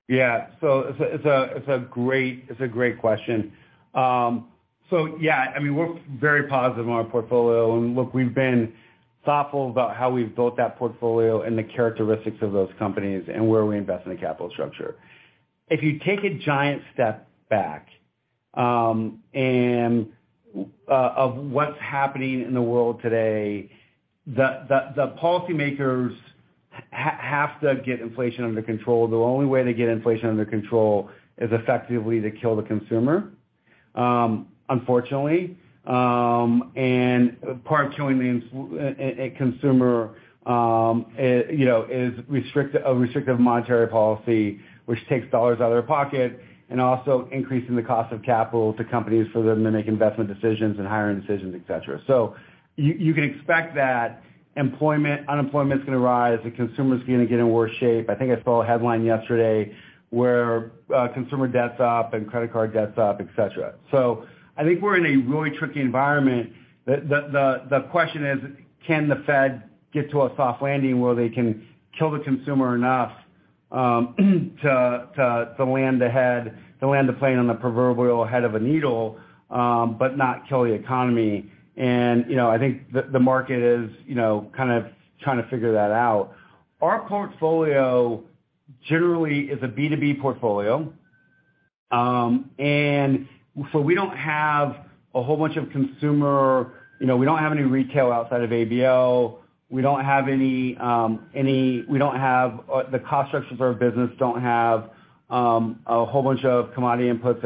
Yeah. It's a great question. Yeah, I mean, we're very positive on our portfolio. Look, we've been thoughtful about how we've built that portfolio and the characteristics of those companies and where we invest in the capital structure. If you take a giant step back and look at what's happening in the world today, the policymakers have to get inflation under control. The only way to get inflation under control is effectively to kill the consumer, unfortunately. Part of killing a consumer, you know, is a restrictive monetary policy, which takes dollars out of their pocket, and also increasing the cost of capital to companies for them to make investment decisions and hiring decisions, et cetera. You can expect that unemployment is going to rise. The consumer is going to get in worse shape. I think I saw a headline yesterday where consumer debt's up and credit card debt's up, et cetera. I think we're in a really tricky environment. The question is, can the Fed get to a soft landing where they can kill the consumer enough, to land the plane on the proverbial head of a needle, but not kill the economy? You know, I think the market is, you know, kind of trying to figure that out. Our portfolio generally is a B2B portfolio. We don't have a whole bunch of consumer, you know, we don't have any retail outside of ABL. We don't have the cost structure of our business don't have a whole bunch of commodity inputs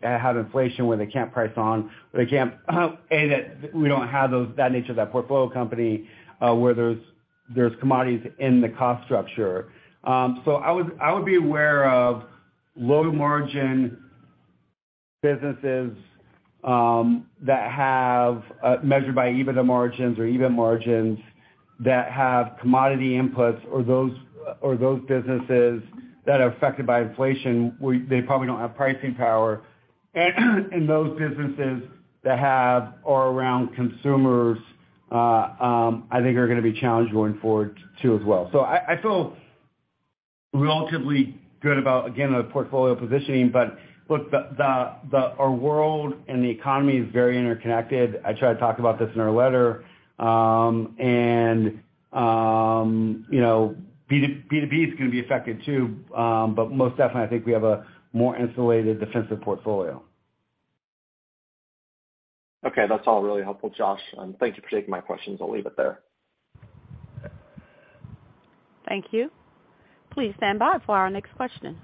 that had inflation where they can't price on. They can't and that we don't have those, that nature of that portfolio company where there's commodities in the cost structure. I would be aware of low margin businesses that have measured by EBITDA margins or EBIT margins that have commodity inputs or those businesses that are affected by inflation, where they probably don't have pricing power. In those businesses that have or around consumers, I think are gonna be challenged going forward too as well. I feel relatively good about, again, the portfolio positioning. Look, our world and the economy is very interconnected.I tried to talk about this in our letter. You know, B2B is gonna be affected too. Most definitely, I think we have a more insulated defensive portfolio. Okay. That's all really helpful, Josh, and thank you for taking my questions. I'll leave it there. Thank you. Please stand by for our next question.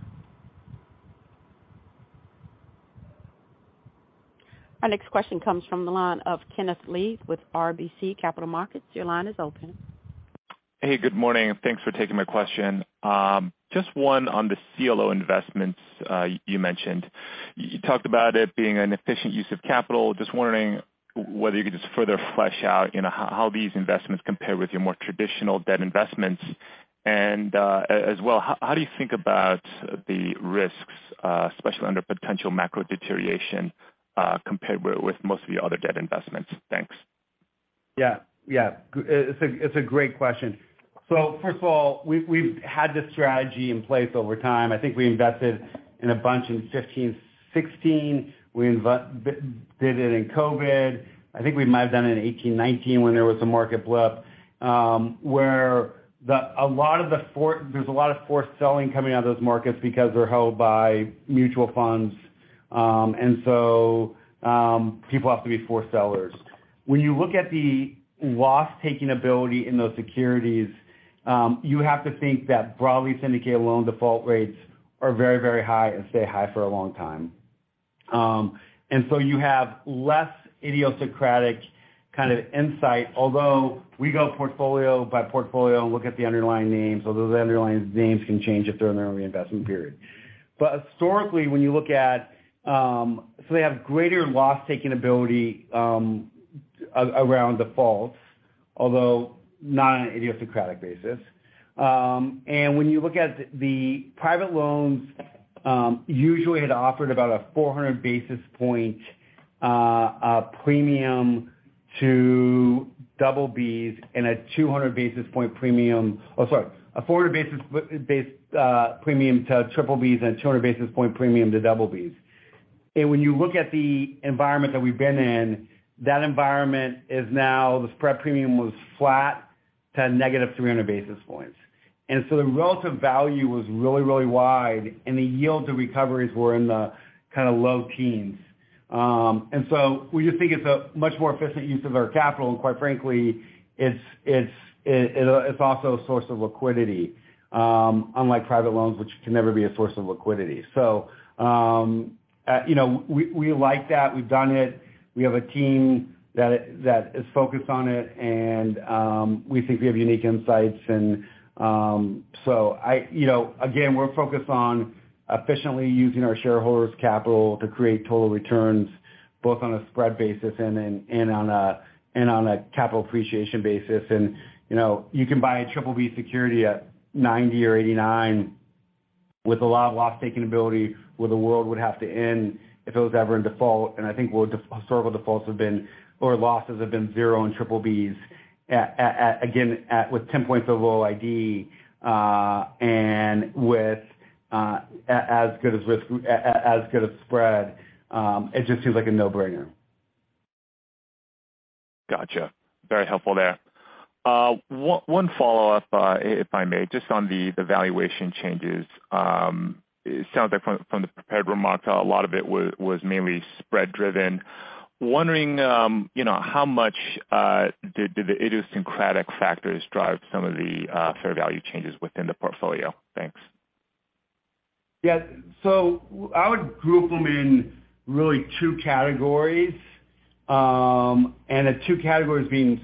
Our next question comes from the line of Kenneth Lee with RBC Capital Markets. Your line is open. Hey, good morning, and thanks for taking my question. Just one on the CLO investments you mentioned. You talked about it being an efficient use of capital. Just wondering whether you could just further flesh out, you know, how these investments compare with your more traditional debt investments. As well, how do you think about the risks, especially under potential macro deterioration, compared with most of your other debt investments? Thanks. Yeah. Yeah. It's a great question. First of all, we've had this strategy in place over time. I think we invested in a bunch in 2015-2016. We did it in COVID. I think we might have done it in 2018-2019 when there was a market blip, where there's a lot of forced selling coming out of those markets because they're held by mutual funds. People have to be forced sellers. When you look at the loss taking ability in those securities, you have to think that broadly syndicated loan default rates are very, very high and stay high for a long time. You have less idiosyncratic kind of insight, although we go portfolio by portfolio and look at the underlying names. Although the underlying names can change it during their reinvestment period. Historically, when you look at, so they have greater loss taking ability, around defaults, although not on an idiosyncratic basis. And when you look at the private loans, usually had offered about a 400 basis point premium to BB. When you look at the environment that we've been in, that environment is now the spread premium was flat to negative 300 basis points. The relative value was really, really wide, and the yield to recoveries were in the kinda low teens. We just think it's a much more efficient use of our capital. Quite frankly, it's also a source of liquidity, unlike private loans, which can never be a source of liquidity. You know, we like that. We've done it. We have a team that is focused on it, and we think we have unique insights. You know, again, we're focused on efficiently using our shareholders' capital to create total returns, both on a spread basis and on a capital appreciation basis. You know, you can buy triple-B security at 90 or 89 with a lot of loss taking ability, where the world would have to end if it was ever in default. I think what historical defaults have been or losses have been zero in BBB, again, with 10 points over LQD, and with as good a risk, as good a spread, it just seems like a no-brainer. Gotcha. Very helpful there. One follow-up, if I may, just on the valuation changes. It sounds like from the prepared remarks, a lot of it was mainly spread driven. Wondering, you know, how much did the idiosyncratic factors drive some of the fair value changes within the portfolio? Thanks. Yeah. I would group them in really two categories. The two categories being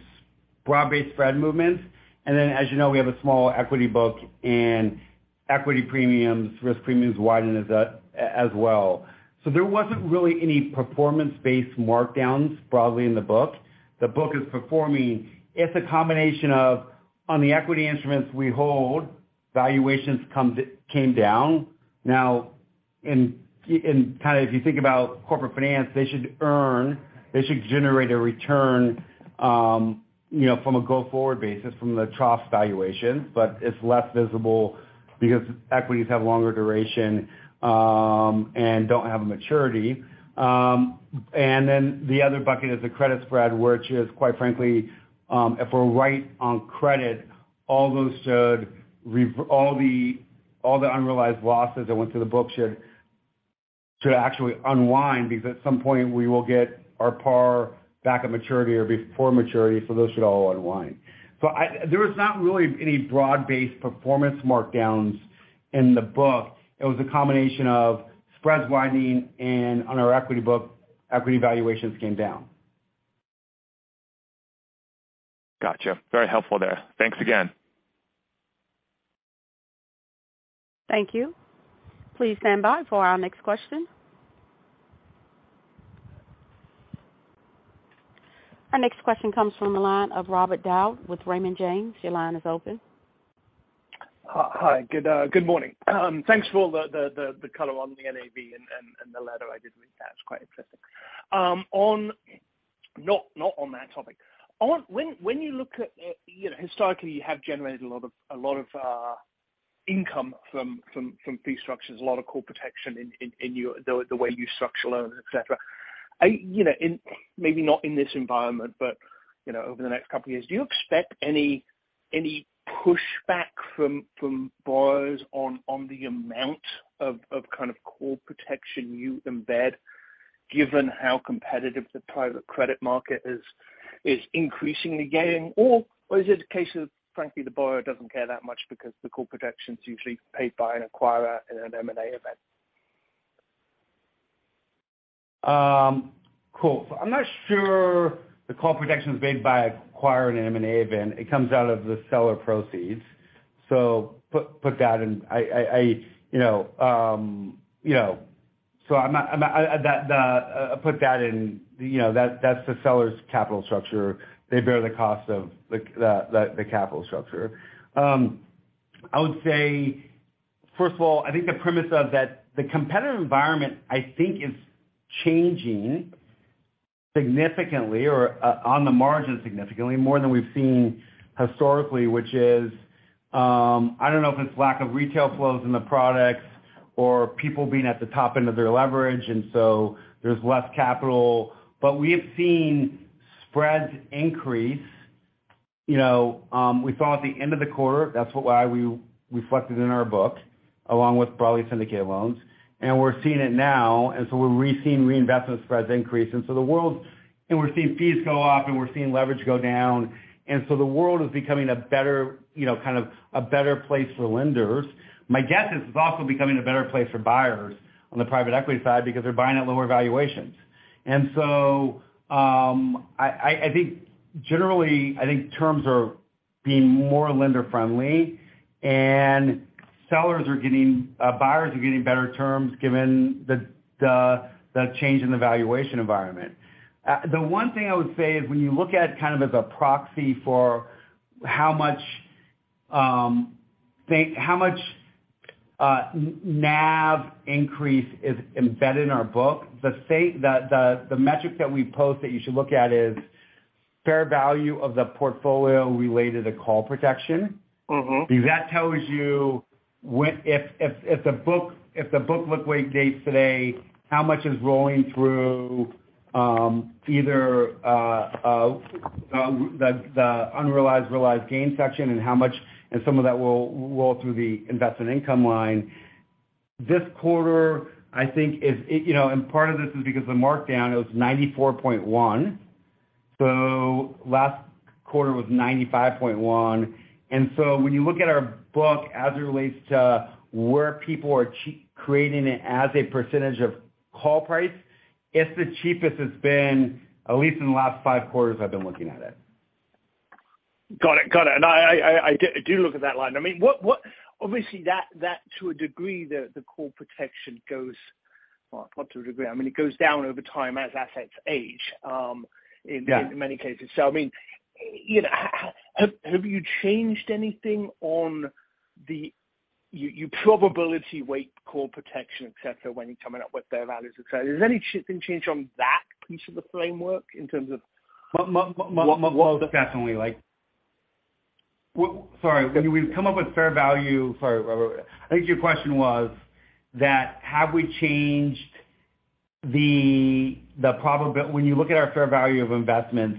broad-based spread movements. Then, as you know, we have a small equity book and equity premiums, risk premiums widen as well. There wasn't really any performance-based markdowns broadly in the book. The book is performing. It's a combination of on the equity instruments we hold, valuations came down. Now in kinda if you think about corporate finance, they should earn, they should generate a return, you know, from a go-forward basis from the trough valuations. It's less visible because equities have longer duration and don't have a maturity. The other bucket is the credit spread, which is quite frankly, if we're right on credit, all the unrealized losses that went to the book should actually unwind, because at some point we will get our par back at maturity or before maturity, so those should all unwind. There was not really any broad-based performance markdowns in the book. It was a combination of spreads widening and on our equity book, equity valuations came down. Gotcha. Very helpful there. Thanks again. Thank you. Please stand by for our next question. Our next question comes from the line of Robert Dodd with Raymond James. Your line is open. Hi. Good morning. Thanks for all the color on the NAV and the letter. I did read that. It's quite interesting. Not on that topic. When you look at, you know, historically you have generated a lot of income from fee structures, a lot of core protection in the way you structure loans, et cetera. You know, maybe not in this environment, but, you know, over the next couple of years, do you expect any pushback from borrowers on the amount of kind of call protection you embed given how competitive the private credit market is increasingly getting? Was it a case of, frankly, the borrower doesn't care that much because the call protection is usually paid by an acquirer in an M&A event? Cool. I'm not sure the call protection is made by acquiring an M&A event. It comes out of the seller proceeds. Put that in, you know. That's the seller's capital structure. They bear the cost of the capital structure. I would say, first of all, I think the premise of that, the competitive environment, I think is changing significantly or on the margin significantly more than we've seen historically, which is, I don't know if it's lack of retail flows in the products or people being at the top end of their leverage, and so there's less capital. We have seen spreads increase. You know, we saw at the end of the quarter, that's why we reflected in our book, along with broadly syndicated loans. We're seeing it now. We're seeing reinvestment spreads increase. We're seeing fees go up, and we're seeing leverage go down. The world is becoming a better, you know, kind of a better place for lenders. My guess is it's also becoming a better place for buyers on the private equity side because they're buying at lower valuations. I think generally terms are being more lender-friendly and buyers are getting better terms given the change in the valuation environment. The one thing I would say is when you look at kind of as a proxy for how much, say, how much NAV increase is embedded in our book, the metric that we post that you should look at is fair value of the portfolio related to call protection. Mm-hmm. Because that tells you if the book liquidates today, how much is rolling through either the unrealized realized gain section and how much and some of that will roll through the investment income line. This quarter, I think is, you know, and part of this is because the markdown, it was 94.1. So last quarter was 95.1. When you look at our book as it relates to where people are carrying it as a percentage of call price, it's the cheapest it's been at least in the last five quarters I've been looking at it. Got it. I do look at that line. I mean, what obviously, that to a degree, the core protection goes, well, not to a degree. I mean, it goes down over time as assets age. Yeah. In many cases. I mean, you know, have you changed anything on your probability weighting call protection, et cetera, when you're coming up with fair values, et cetera. Has anything been changed on that piece of the framework? Most definitely. Sorry, when we come up with fair value. Sorry. I think your question was that have we changed, when you look at our fair value of investments,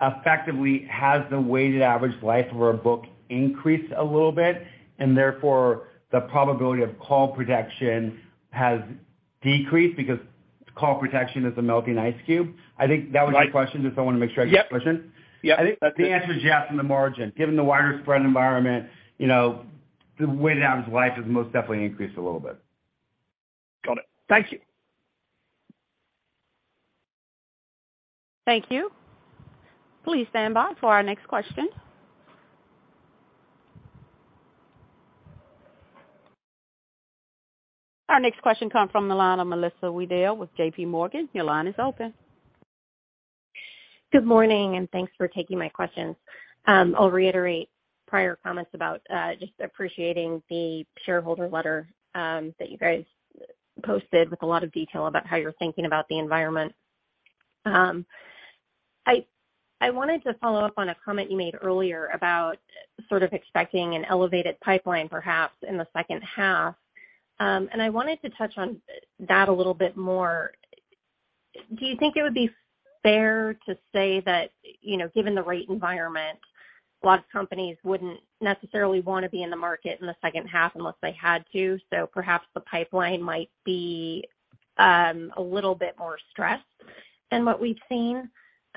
effectively, has the weighted average life of our book increased a little bit, and therefore, the probability of call protection has decreased because call protection is a melting ice cube. I think that was your question. Just, I wanna make sure I get your question. Yep. I think the answer is yes, on the margin. Given the wider spread environment, you know, the weighted average life has most definitely increased a little bit. Got it. Thank you. Thank you. Please stand by for our next question. Our next question comes from the line of Melissa Wedel with JPMorgan. Your line is open. Good morning, and thanks for taking my questions. I'll reiterate prior comments about just appreciating the shareholder letter that you guys posted with a lot of detail about how you're thinking about the environment. I wanted to follow up on a comment you made earlier about sort of expecting an elevated pipeline perhaps in the second half. I wanted to touch on that a little bit more. Do you think it would be fair to say that, you know, given the rate environment, a lot of companies wouldn't necessarily wanna be in the market in the second half unless they had to? Perhaps the pipeline might be a little bit more stressed than what we've seen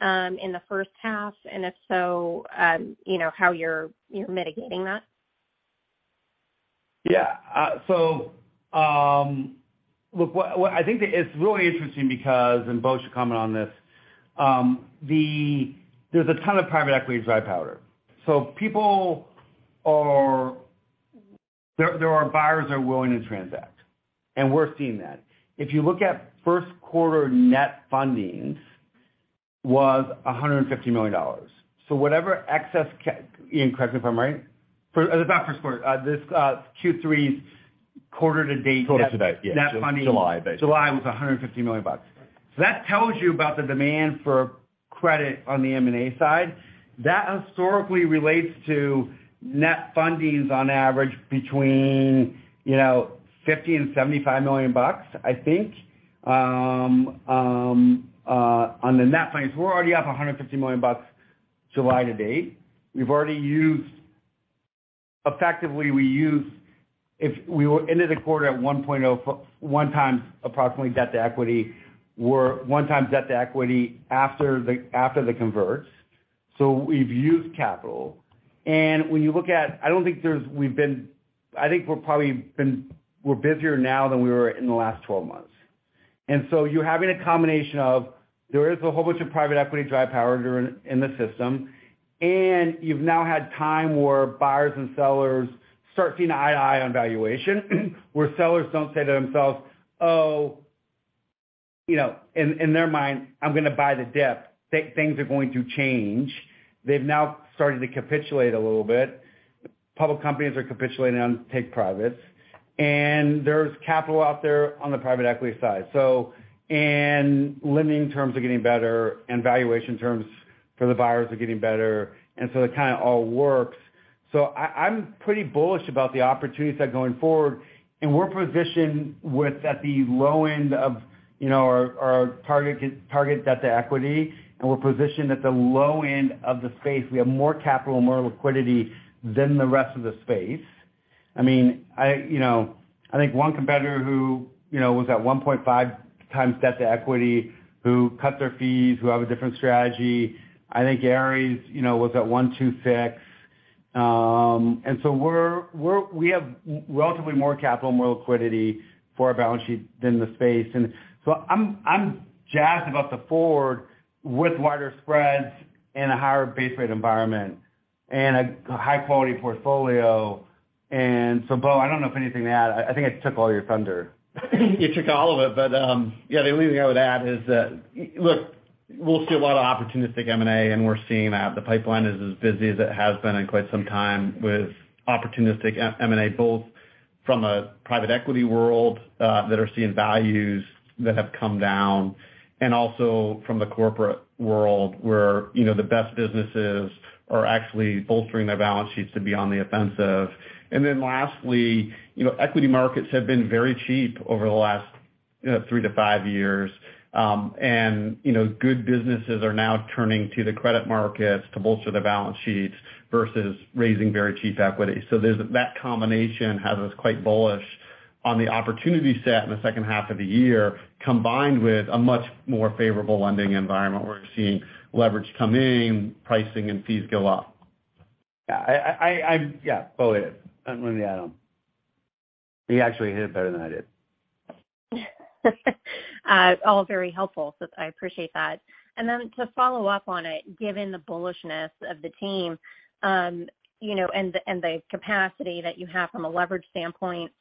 in the first half. If so, you know, how you're mitigating that. Yeah. Look, what I think is really interesting because Bo should comment on this. There's a ton of private equity dry powder. There are buyers that are willing to transact, and we're seeing that. If you look at first quarter net fundings was $150 million. Whatever excess cash, Ian, correct me if I'm right. For the first quarter, this Q3's quarter to date. Quarter to date. Yeah. Net funding. July, basically. July was $150 million. So that tells you about the demand for credit on the M&A side. That historically relates to net fundings on average between, you know, $50 million and $75 million, I think. On the net fundings, we're already up $150 million July to date. We've already used. Effectively, we used. If we ended the quarter at 1x approximately debt to equity. We're 1x debt to equity after the converts. So we've used capital. When you look at, I don't think there's. We've been. I think we're probably busier now than we were in the last 12 months. You're having a combination of there is a whole bunch of private equity dry powder in the system, and you've now had time where buyers and sellers start seeing eye to eye on valuation, where sellers don't say to themselves, "Oh, you know, in their mind, 'I'm gonna buy the dip. Things are going to change.'" They've now started to capitulate a little bit. Public companies are capitulating on take privates, and there's capital out there on the private equity side. Lending terms are getting better, and valuation terms for the buyers are getting better. It kinda all works. I'm pretty bullish about the opportunity set going forward. We're positioned at the low end of our target debt to equity, and we're positioned at the low end of the space. We have more capital, more liquidity than the rest of the space. I mean, you know, I think one competitor who, you know, was at 1.5x debt to equity, who cut their fees, who have a different strategy. I think Ares, you know, was at 1-6. We have relatively more capital, more liquidity for our balance sheet than the space. I'm jazzed about the forward with wider spreads and a higher base rate environment and a high quality portfolio. Bo, I don't know if anything to add. I think I took all your thunder. You took all of it. The only thing I would add is that, look, we'll see a lot of opportunistic M&A, and we're seeing that. The pipeline is as busy as it has been in quite some time with opportunistic M&A, both from a private equity world that are seeing values that have come down and also from the corporate world where, you know, the best businesses are actually bolstering their balance sheets to be on the offensive. Then lastly, you know, equity markets have been very cheap over the last three to five years. You know, good businesses are now turning to the credit markets to bolster their balance sheets versus raising very cheap equity. That combination has us quite bullish on the opportunity set in the second half of the year, combined with a much more favorable lending environment where we're seeing leverage come in, pricing and fees go up. Yeah, Bo hit it. Let me add on. He actually hit it better than I did. All very helpful. I appreciate that. Then to follow up on it, given the bullishness of the team, you know, and the capacity that you have from a leverage standpoint,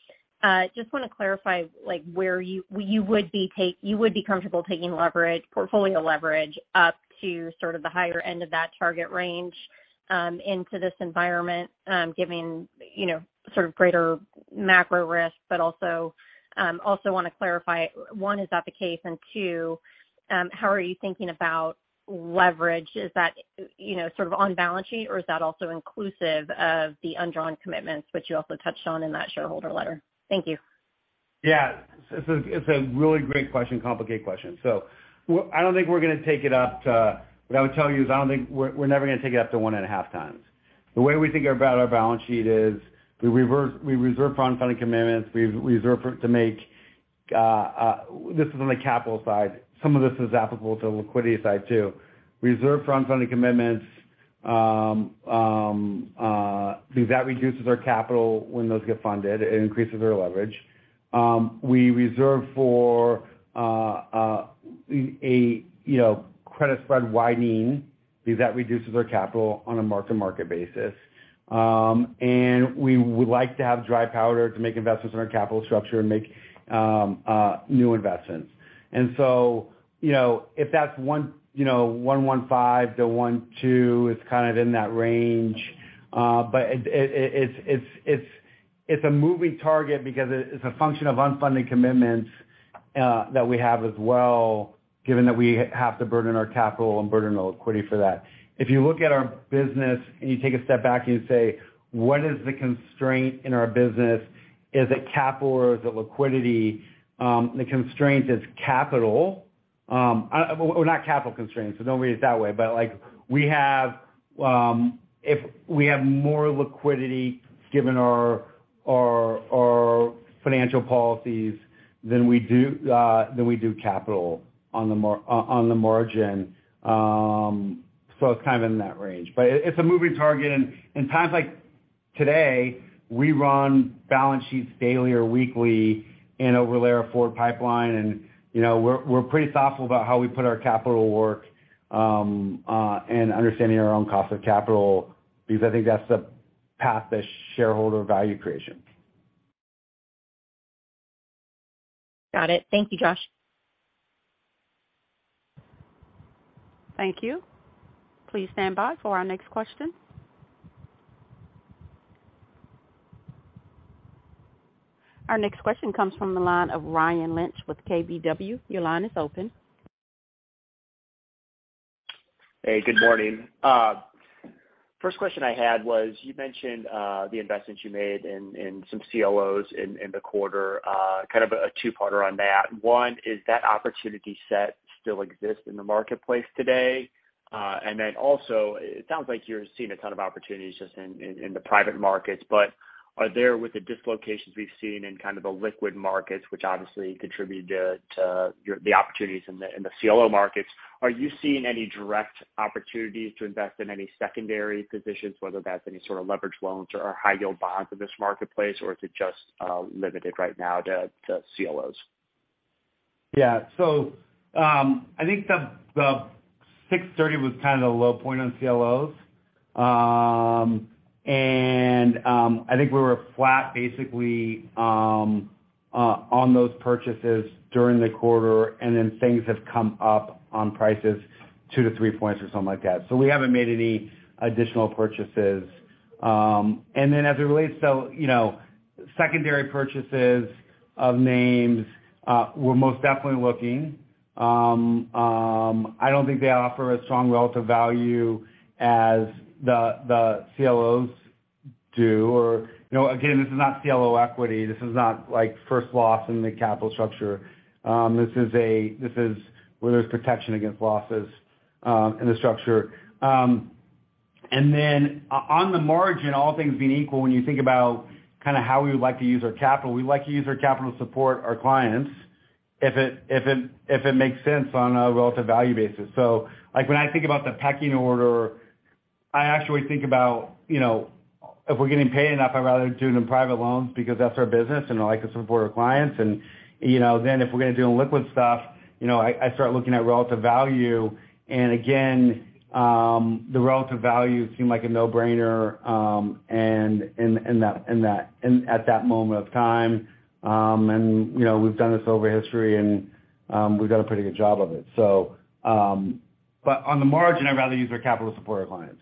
just wanna clarify, like, where you would be comfortable taking leverage, portfolio leverage up to sort of the higher end of that target range, into this environment, given you know, sort of greater macro risk. Also wanna clarify, one, is that the case? Two, how are you thinking about leverage? Is that, you know, sort of on balance sheet, or is that also inclusive of the undrawn commitments, which you also touched on in that shareholder letter? Thank you. Yeah. It's a really great question, complicated question. What I would tell you is I don't think we're never gonna take it up to 1.5x. The way we think about our balance sheet is we reserve for unfunded commitments. This is on the capital side. Some of this is applicable to the liquidity side too. Reserve for unfunded commitments because that reduces our capital when those get funded. It increases our leverage. We reserve for a, you know, credit spread widening because that reduces our capital on a mark-to-market basis. We would like to have dry powder to make investments in our capital structure and make new investments. You know, if that's 1.15-1.2, it's kind of in that range. But it's a moving target because it's a function of unfunded commitments that we have as well, given that we have to burden our capital and burden the liquidity for that. If you look at our business and you take a step back and you say, "What is the constraint in our business? Is it capital or is it liquidity?" The constraint is capital. Well, not capital constraint, so don't read it that way. Like, if we have more liquidity given our financial policies, then we do capital on the margin. It's kind of in that range. It's a moving target. Times like today, we run balance sheets daily or weekly and overlay our forward pipeline. You know, we're pretty thoughtful about how we put our capital to work, and understanding our own cost of capital because I think that's the path to shareholder value creation. Got it. Thank you, Josh. Thank you. Please stand by for our next question. Our next question comes from the line of Ryan Lynch with KBW. Your line is open. Hey, good morning. First question I had was, you mentioned the investments you made in some CLOs in the quarter. Kind of a two-parter on that. One, is that opportunity set still exist in the marketplace today? And then also it sounds like you're seeing a ton of opportunities just in the private markets, but are there with the dislocations we've seen in kind of the liquid markets, which obviously contribute to the opportunities in the CLO markets. Are you seeing any direct opportunities to invest in any secondary positions, whether that's any sort of leveraged loans or high-yield bonds in this marketplace, or is it just limited right now to CLOs? I think the 6.30 was kind of the low point on CLOs. I think we were flat basically on those purchases during the quarter, and then things have come up on prices 2-3 points or something like that. We haven't made any additional purchases. As it relates to, you know, secondary purchases of names, we're most definitely looking. I don't think they offer a strong relative value as the CLOs do. You know, again, this is not CLO equity. This is not like first loss in the capital structure. This is where there's protection against losses in the structure. On the margin, all things being equal, when you think about kinda how we would like to use our capital, we like to use our capital to support our clients if it makes sense on a relative value basis. Like when I think about the pecking order, I actually think about, you know, if we're getting paid enough, I'd rather do it in private loans because that's our business and I like to support our clients. You know, if we're gonna do liquid stuff, you know, I start looking at relative value. Again, the relative value seemed like a no-brainer, and in that at that moment of time, you know, we've done this over history and we've done a pretty good job of it. On the margin, I'd rather use our capital to support our clients.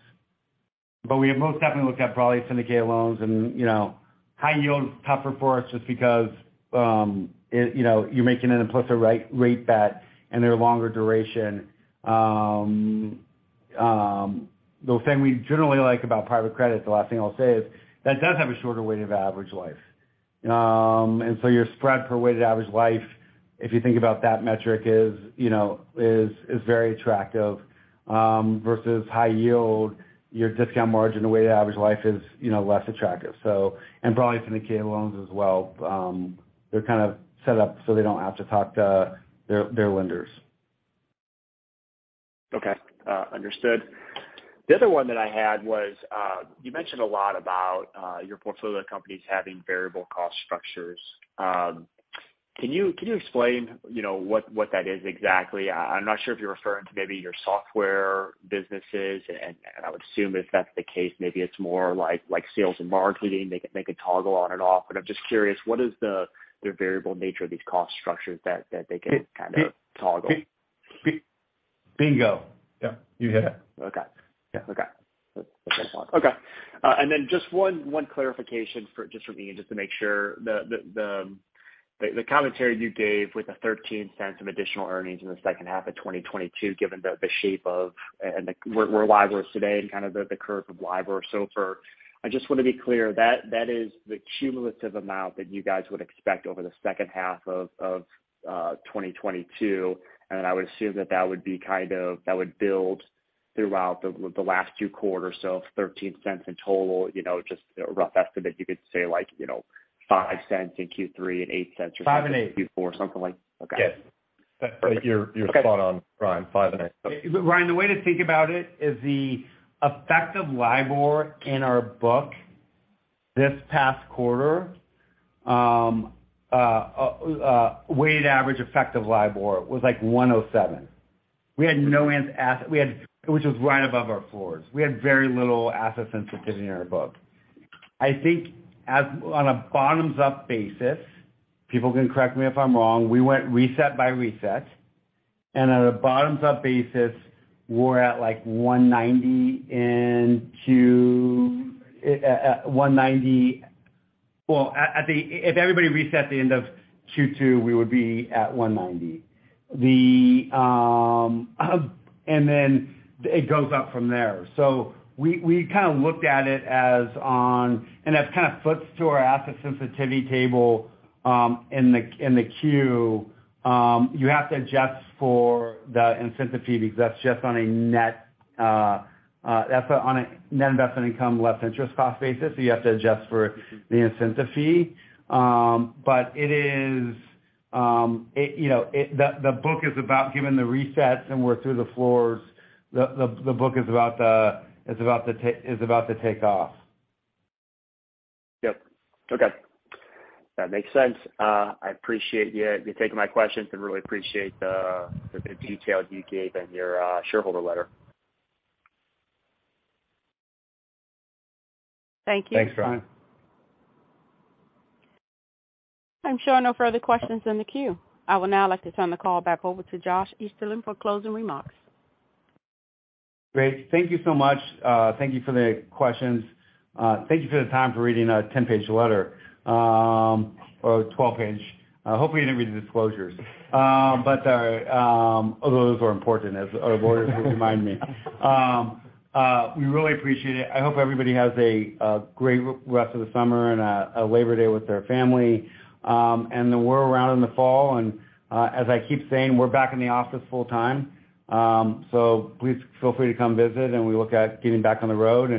We have most definitely looked at broadly syndicated loans and, you know, high yield is tougher for us just because, you know, you're making an implicit rate bet and they're longer duration. The thing we generally like about private credit, the last thing I'll say is that does have a shorter weighted average life. Your spread for weighted average life, if you think about that metric is, you know, very attractive versus high yield, your discount margin and weighted average life is, you know, less attractive. Broadly syndicated loans as well. They're kind of set up so they don't have to talk to their lenders. Okay, understood. The other one that I had was you mentioned a lot about your portfolio companies having variable cost structures. Can you explain, you know, what that is exactly? I'm not sure if you're referring to maybe your software businesses. I would assume if that's the case, maybe it's more like sales and marketing. They can toggle on and off, but I'm just curious, what is the variable nature of these cost structures that they can kind of toggle? Bingo. Yeah, you hit it. Okay. Yeah. Okay. And then just one clarification just for me, just to make sure the commentary you gave with the $0.13 of additional earnings in the second half of 2022, given the shape of the curve and where LIBOR is today and kind of the curve of LIBOR so far. I just wanna be clear, that is the cumulative amount that you guys would expect over the second half of 2022. I would assume that would build throughout the last two quarters. $0.13 in total, you know, just a rough estimate. You could say like, you know, $0.05 in Q3 and $0.08 or something. $0.05 and $0.08. Q4, something like. Okay. Yes. You're spot on, Ryan. $0.05 and $0.08. Ryan, the way to think about it is the effective LIBOR in our book this past quarter, weighted average effective LIBOR was like 107. We had very little asset sensitivity in our book, which was right above our floors. I think on a bottoms-up basis, people can correct me if I'm wrong, we went reset by reset. On a bottoms-up basis, we're at like 190 in Q1 90. Well, at the if everybody reset at the end of Q2, we would be at 190. Then it goes up from there. We kinda looked at it as on, and that's kinda footnote asset sensitivity table in the Q. You have to adjust for the incentive fee because that's just on a net investment income less interest cost basis, so you have to adjust for the incentive fee. It is, you know, the book is about giving the resets, and we're through the floors. The book is about to take off. Yep. Okay. That makes sense. I appreciate you taking my questions and really appreciate the good detail you gave in your shareholder letter. Thank you. Thanks, Ryan. I'm showing no further questions in the queue. I would now like to turn the call back over to Joshua Easterly for closing remarks. Great. Thank you so much. Thank you for the questions. Thank you for the time for reading a 10-page letter or a 12-page. Hopefully you didn't read the disclosures. Those are important as our lawyers would remind me. We really appreciate it. I hope everybody has a great rest of the summer and a Labor Day with their family. We're around in the fall. As I keep saying, we're back in the office full time, so please feel free to come visit, and we look at getting back on the road.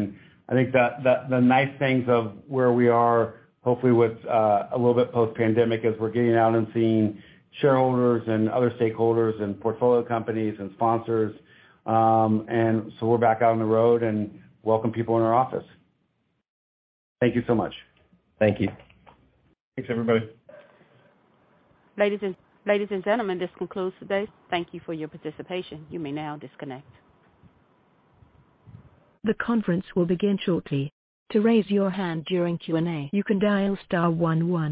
I think the nice things of where we are, hopefully with a little bit post-pandemic as we're getting out and seeing shareholders and other stakeholders and portfolio companies and sponsors. We're back out on the road and welcome people in our office. Thank you so much. Thank you. Thanks, everybody. Ladies and gentlemen, this concludes the day. Thank you for your participation. You may now disconnect. The conference will begin shortly. To raise your hand during Q&A, you can dial star one one.